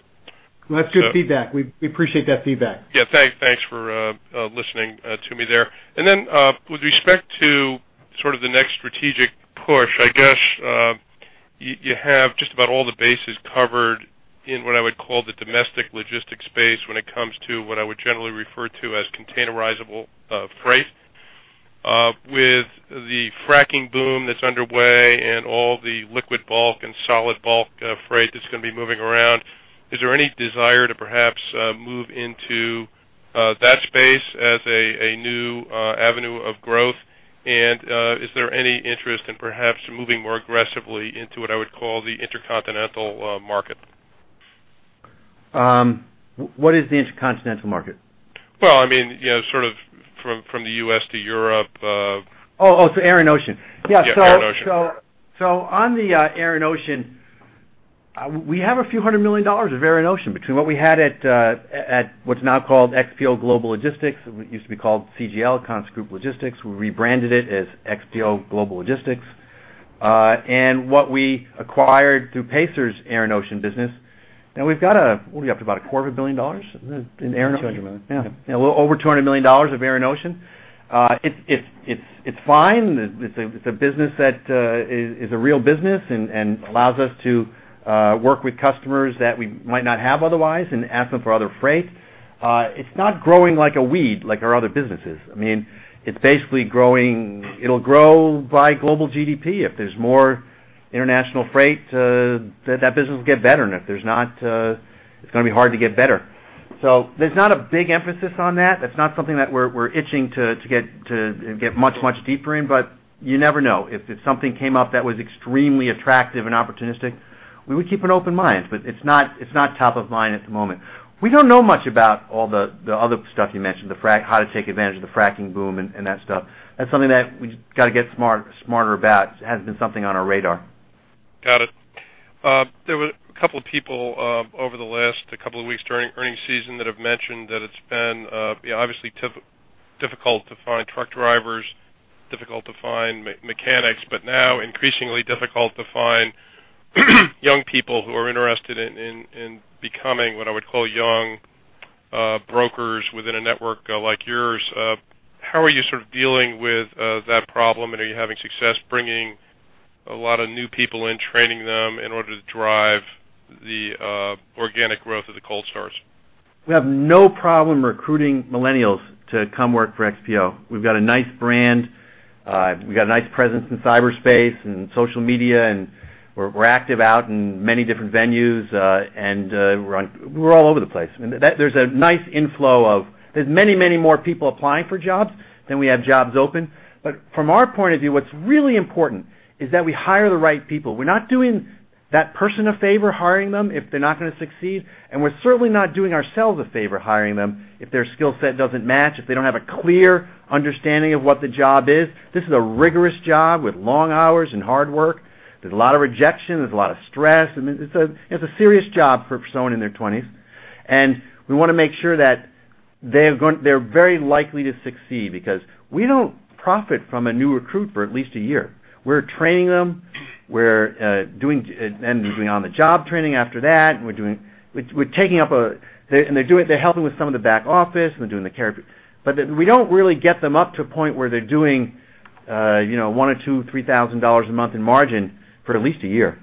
Well, that's good feedback. We appreciate that feedback. Yeah, thanks, thanks for listening to me there. And then, with respect to sort of the next strategic push, I guess, you have just about all the bases covered in what I would call the domestic logistics space, when it comes to what I would generally refer to as containerizable freight. With the fracking boom that's underway and all the liquid bulk and solid bulk freight that's going to be moving around, is there any desire to perhaps move into that space as a new avenue of growth? And, is there any interest in perhaps moving more aggressively into what I would call the intercontinental market? What is the intercontinental market? Well, I mean, you know, sort of from the U.S. to Europe- Oh, oh, so air and ocean. Yeah, air and ocean. Yeah, so on the air and ocean, we have a few hundred million dollars of air and ocean between what we had at what's now called XPO Global Logistics, what used to be called CGL, Concert Group Logistics. We rebranded it as XPO Global Logistics, and what we acquired through Pacer's air and ocean business, and we've got a, what are we up to, about $250 million in air and ocean? $200 million. Yeah, a little over $200 million of air and ocean. It's fine. It's a business that is a real business and allows us to work with customers that we might not have otherwise and ask them for other freight. It's not growing like a weed, like our other businesses. I mean, it's basically growing. It'll grow by global GDP. If there's more international freight, that business will get better, and if there's not, it's going to be hard to get better. So there's not a big emphasis on that. That's not something that we're itching to get much deeper in, but you never know. If something came up that was extremely attractive and opportunistic, we would keep an open mind, but it's not top of mind at the moment. We don't know much about all the other stuff you mentioned, the fracking—how to take advantage of the fracking boom and that stuff. That's something that we just got to get smarter about. It hasn't been something on our radar. Got it. There were a couple of people over the last couple of weeks during earnings season that have mentioned that it's been obviously difficult to find truck drivers, difficult to find mechanics, but now increasingly difficult to find young people who are interested in becoming what I would call young brokers within a network like yours. How are you sort of dealing with that problem? And are you having success bringing a lot of new people in, training them in order to drive the organic growth of the cold starts? We have no problem recruiting millennials to come work for XPO. We've got a nice brand. We've got a nice presence in cyberspace and social media, and we're active out in many different venues, and we're all over the place. There's a nice inflow of. There's many, many more people applying for jobs than we have jobs open. But from our point of view, what's really important is that we hire the right people. We're not doing that person a favor, hiring them, if they're not going to succeed, and we're certainly not doing ourselves a favor hiring them if their skill set doesn't match, if they don't have a clear understanding of what the job is. This is a rigorous job with long hours and hard work. There's a lot of rejection, there's a lot of stress. I mean, it's a serious job for someone in their twenties, and we want to make sure that they're very likely to succeed because we don't profit from a new recruit for at least a year. We're training them, we're doing on-the-job training after that, and we're taking up a... They're helping with some of the back office, and they're doing the carry. But we don't really get them up to a point where they're doing, you know, 1 or 2, 3,000 dollars a month in margin for at least a year.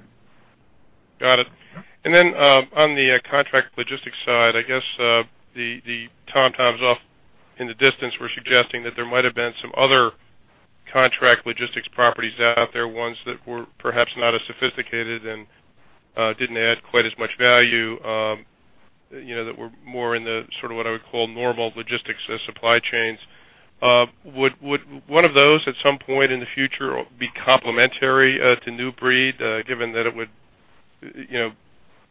Got it. Yeah. And then, on the contract logistics side, I guess, the tom-toms off in the distance were suggesting that there might have been some other contract logistics properties out there, ones that were perhaps not as sophisticated and, didn't add quite as much value, you know, that were more in the sort of what I would call normal logistics and supply chains... Would one of those, at some point in the future, be complementary, to New Breed, given that it would, you know,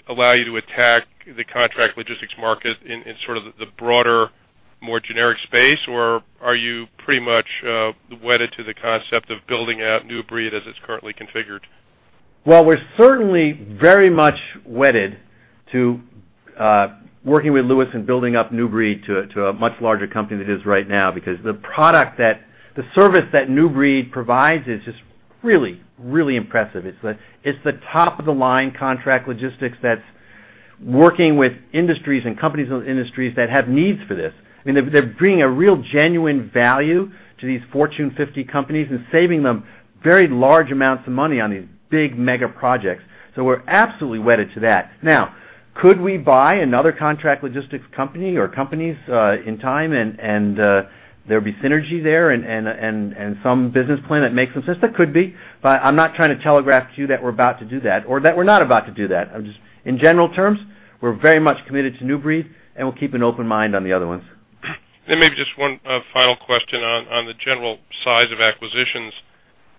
allow you to attack the contract logistics market in, in sort of the broader, more generic space? Or are you pretty much, wedded to the concept of building out New Breed as it's currently configured? Well, we're certainly very much wedded to working with Louis and building up New Breed to a much larger company than it is right now, because the service that New Breed provides is just really, really impressive. It's the top-of-the-line contract logistics that's working with industries and companies and industries that have needs for this. I mean, they're bringing a real genuine value to these Fortune 50 companies and saving them very large amounts of money on these big mega projects. So we're absolutely wedded to that. Now, could we buy another contract logistics company or companies in time, and there'd be synergy there and some business plan that makes sense? There could be, but I'm not trying to telegraph to you that we're about to do that or that we're not about to do that. I'm just... In general terms, we're very much committed to New Breed, and we'll keep an open mind on the other ones. Maybe just one final question on the general size of acquisitions.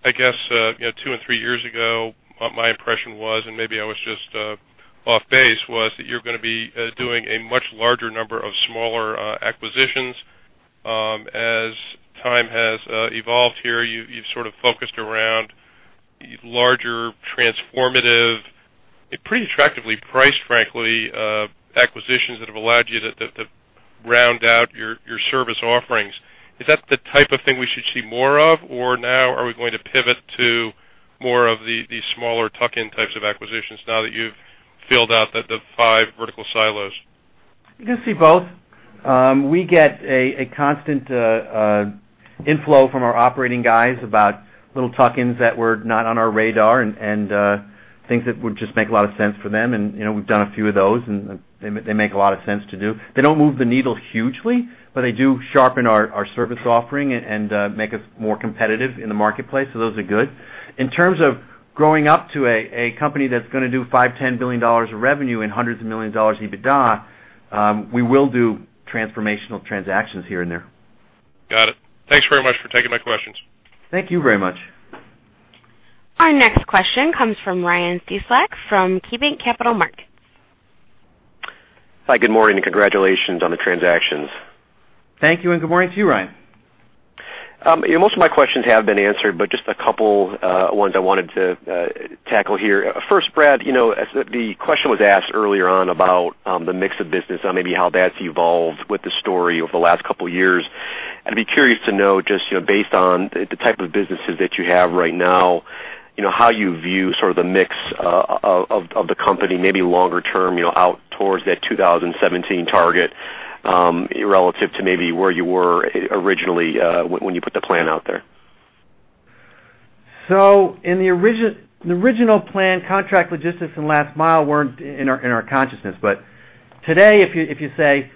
I guess, you know, two and three years ago, my impression was, and maybe I was just off base, was that you're going to be doing a much larger number of smaller acquisitions. As time has evolved here, you've sort of focused around larger, transformative, a pretty attractively priced, frankly, acquisitions that have allowed you to round out your service offerings. Is that the type of thing we should see more of, or now are we going to pivot to more of the smaller tuck-in types of acquisitions now that you've filled out the five vertical silos? You're going to see both. We get a constant inflow from our operating guys about little tuck-ins that were not on our radar and things that would just make a lot of sense for them. And, you know, we've done a few of those, and they make a lot of sense to do. They don't move the needle hugely, but they do sharpen our service offering and make us more competitive in the marketplace, so those are good. In terms of growing up to a company that's going to do $5 billion-$10 billion of revenue and hundreds of millions of dollars EBITDA, we will do transformational transactions here and there. Got it. Thanks very much for taking my questions. Thank you very much. Our next question comes from Ryan Cieslak from KeyBanc Capital Markets. Hi, good morning, and congratulations on the transactions. Thank you, and good morning to you, Ryan. Most of my questions have been answered, but just a couple ones I wanted to tackle here. First, Brad, you know, as the question was asked earlier on about the mix of business and maybe how that's evolved with the story over the last couple of years, I'd be curious to know just, you know, based on the type of businesses that you have right now, you know, how you view sort of the mix of the company, maybe longer term, you know, out towards that 2017 target, relative to maybe where you were originally when you put the plan out there. In the original plan, contract logistics and last mile weren't in our consciousness. But today, if you say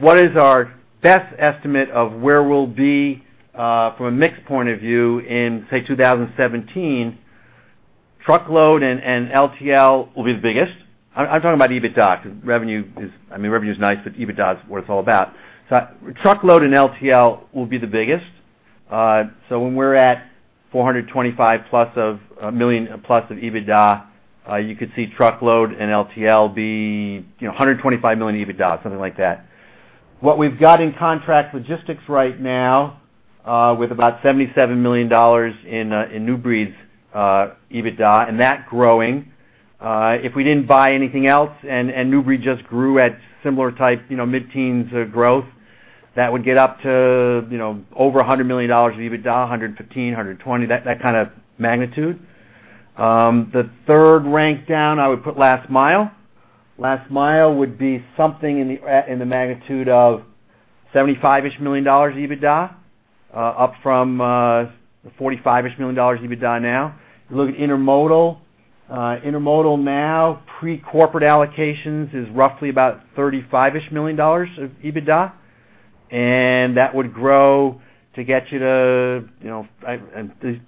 what is our best estimate of where we'll be from a mix point of view in, say, 2017, truckload and LTL will be the biggest. I'm talking about EBITDA. Revenue is-- I mean, revenue is nice, but EBITDA is what it's all about. So truckload and LTL will be the biggest. So when we're at $425 million+ of EBITDA, you could see truckload and LTL be, you know, $125 million EBITDA, something like that. What we've got in contract logistics right now, with about $77 million in New Breed's EBITDA, and that growing, if we didn't buy anything else and New Breed just grew at similar type, you know, mid-teens growth, that would get up to, you know, over $100 million of EBITDA, 115, 120, that kind of magnitude. The third rank down, I would put last mile. Last mile would be something in the magnitude of 75-ish million dollars EBITDA, up from 45-ish million dollars EBITDA now. You look at intermodal. Intermodal now, pre-corporate allocations, is roughly about $35-ish million of EBITDA, and that would grow to get you to, you know,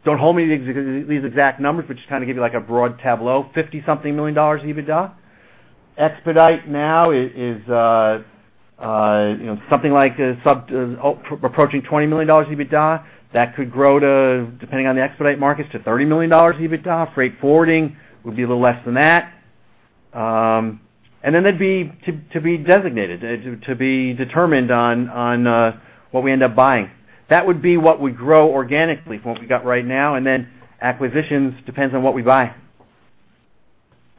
don't hold me to these exact numbers, but just kind of give you, like, a broad tableau, $50-something million EBITDA. Expedite now is, you know, something like sub-approaching $20 million EBITDA. That could grow to, depending on the expedite markets, to $30 million EBITDA. Freight forwarding would be a little less than that. And then there'd be, to be determined on what we end up buying. That would be what we grow organically from what we got right now, and then acquisitions depends on what we buy.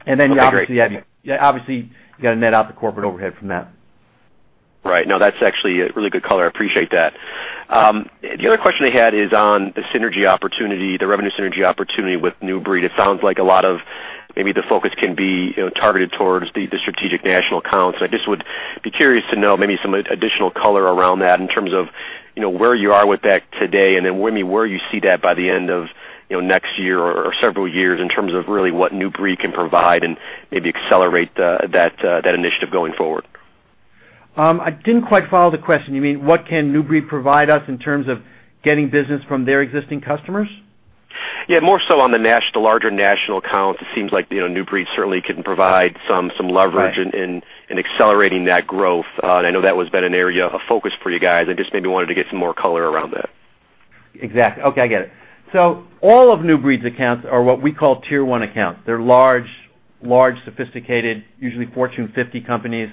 Okay, great. Then you obviously, obviously, you got to net out the corporate overhead from that. Right. No, that's actually a really good color. I appreciate that. The other question I had is on the synergy opportunity, the revenue synergy opportunity with New Breed. It sounds like a lot of maybe the focus can be, you know, targeted towards the, the strategic national accounts. I just would be curious to know maybe some additional color around that in terms of, you know, where you are with that today, and then, maybe, where you see that by the end of, you know, next year or, or several years in terms of really what New Breed can provide and maybe accelerate that that initiative going forward. I didn't quite follow the question. You mean what can New Breed provide us in terms of getting business from their existing customers?... Yeah, more so on the national, the larger national accounts, it seems like, you know, New Breed certainly can provide some leverage- Right. in accelerating that growth. I know that has been an area of focus for you guys. I just maybe wanted to get some more color around that. Exactly. Okay, I get it. So all of New Breed's accounts are what we call Tier 1 accounts. They're large, large, sophisticated, usually Fortune 50 companies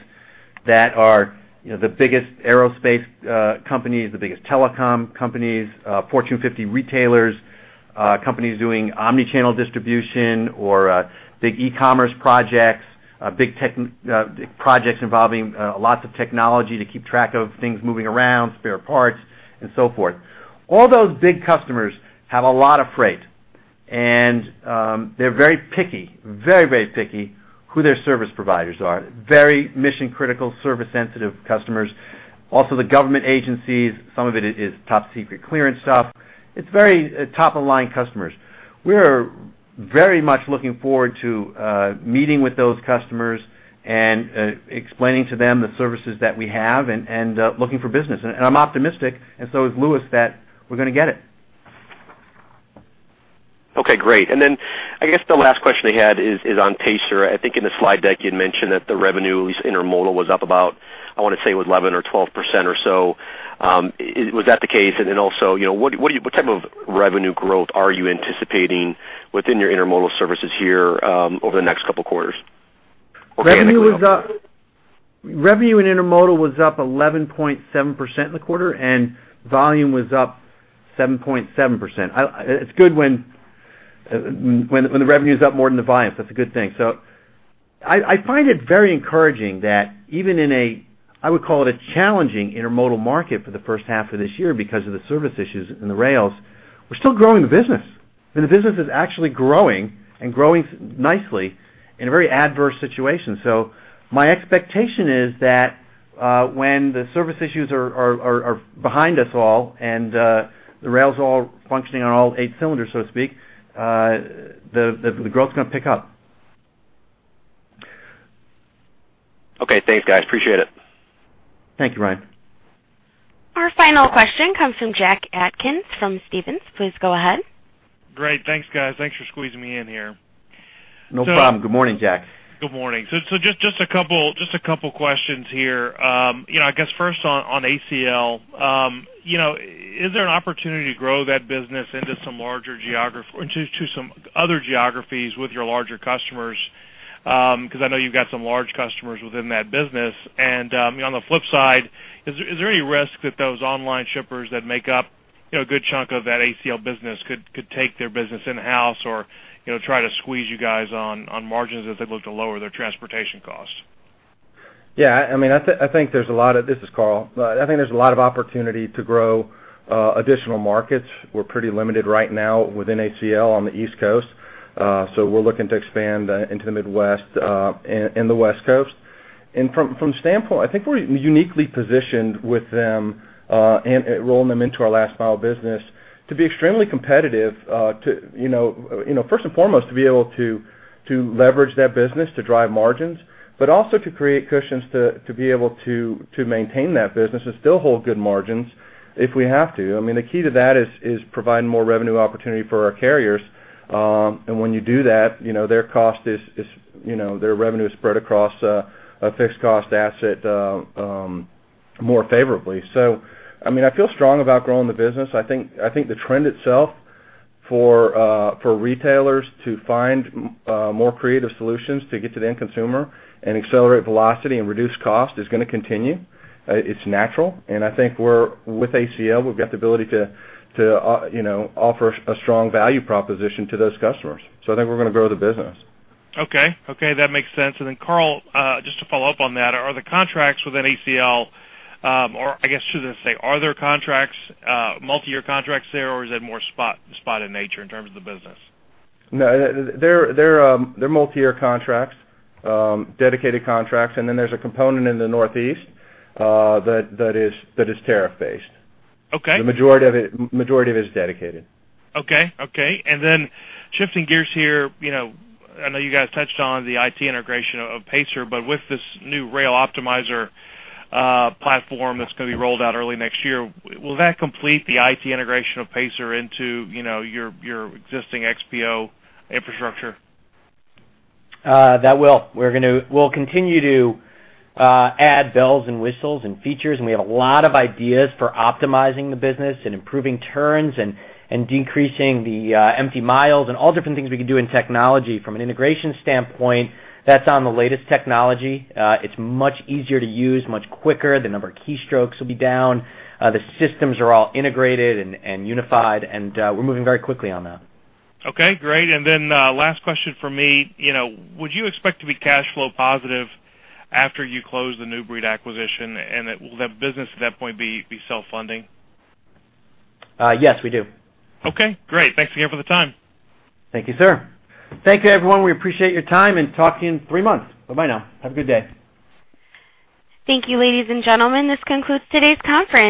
that are, you know, the biggest aerospace companies, the biggest telecom companies, Fortune 50 retailers, companies doing omni-channel distribution or, big e-commerce projects, big projects involving, lots of technology to keep track of things moving around, spare parts and so forth. All those big customers have a lot of freight, and, they're very picky, very, very picky, who their service providers are. Very mission-critical, service-sensitive customers. Also, the government agencies, some of it is top-secret clearance stuff. It's very top-of-the-line customers. We are very much looking forward to, meeting with those customers and, explaining to them the services that we have and, and, looking for business. I'm optimistic, and so is Louis, that we're going to get it. Okay, great. And then, I guess the last question I had is on Pacer. I think in the slide deck, you'd mentioned that the revenues Intermodal was up about, I want to say, it was 11% or 12% or so. Was that the case? And then also, you know, what type of revenue growth are you anticipating within your Intermodal services here over the next couple of quarters? Revenue was up, revenue in Intermodal was up 11.7% in the quarter, and volume was up 7.7%. It's good when the revenue is up more than the volume. That's a good thing. So I find it very encouraging that even in a, I would call it, a challenging intermodal market for the first half of this year because of the service issues in the rails, we're still growing the business. And the business is actually growing and growing nicely in a very adverse situation. So my expectation is that when the service issues are behind us all and the rail's all functioning on all 8 cylinders, so to speak, the growth is going to pick up. Okay. Thanks, guys. Appreciate it. Thank you, Ryan. Our final question comes from Jack Atkins from Stephens. Please go ahead. Great. Thanks, guys. Thanks for squeezing me in here. No problem. Good morning, Jack. Good morning. So just a couple questions here. You know, I guess first on ACL, you know, is there an opportunity to grow that business into some larger geography, into some other geographies with your larger customers? Because I know you've got some large customers within that business. And on the flip side, is there any risk that those online shippers that make up, you know, a good chunk of that ACL business could take their business in-house or, you know, try to squeeze you guys on margins as they look to lower their transportation costs? Yeah, I mean, I think there's a lot of... This is Karl. I think there's a lot of opportunity to grow additional markets. We're pretty limited right now within ACL on the East Coast. So we're looking to expand into the Midwest, and the West Coast. And from standpoint, I think we're uniquely positioned with them, and rolling them into our last mile business to be extremely competitive, to you know, first and foremost, to be able to leverage that business to drive margins, but also to create cushions to be able to maintain that business and still hold good margins if we have to. I mean, the key to that is providing more revenue opportunity for our carriers. And when you do that, you know, their cost is you know their revenue is spread across a fixed cost asset more favorably. So, I mean, I feel strong about growing the business. I think the trend itself for retailers to find more creative solutions to get to the end consumer and accelerate velocity and reduce cost is going to continue. It's natural, and I think we're with ACL, we've got the ability to you know offer a strong value proposition to those customers. So I think we're going to grow the business. Okay. Okay, that makes sense. And then, Karl, just to follow up on that, are the contracts within ACL, or I guess I should just say, are there contracts, multi-year contracts there, or is it more spot in nature in terms of the business? No, they're multi-year contracts, dedicated contracts, and then there's a component in the Northeast that is tariff-based. Okay. The majority of it, majority of it is dedicated. Okay. Okay. Then shifting gears here, you know, I know you guys touched on the IT integration of Pacer, but with this new Rail Optimizer platform that's going to be rolled out early next year, will that complete the IT integration of Pacer into, you know, your, your existing XPO infrastructure? That will. We're going to... We'll continue to add bells and whistles and features, and we have a lot of ideas for optimizing the business and improving turns and, and decreasing the empty miles and all different things we can do in technology. From an integration standpoint, that's on the latest technology. It's much easier to use, much quicker. The number of keystrokes will be down. The systems are all integrated and, and unified, and we're moving very quickly on that. Okay, great. And then, last question from me. You know, would you expect to be cash flow positive after you close the New Breed acquisition, and that will the business at that point be self-funding? Yes, we do. Okay, great. Thanks again for the time. Thank you, sir. Thank you, everyone. We appreciate your time, and talk to you in three months. Bye-bye now. Have a good day. Thank you, ladies and gentlemen. This concludes today's conference.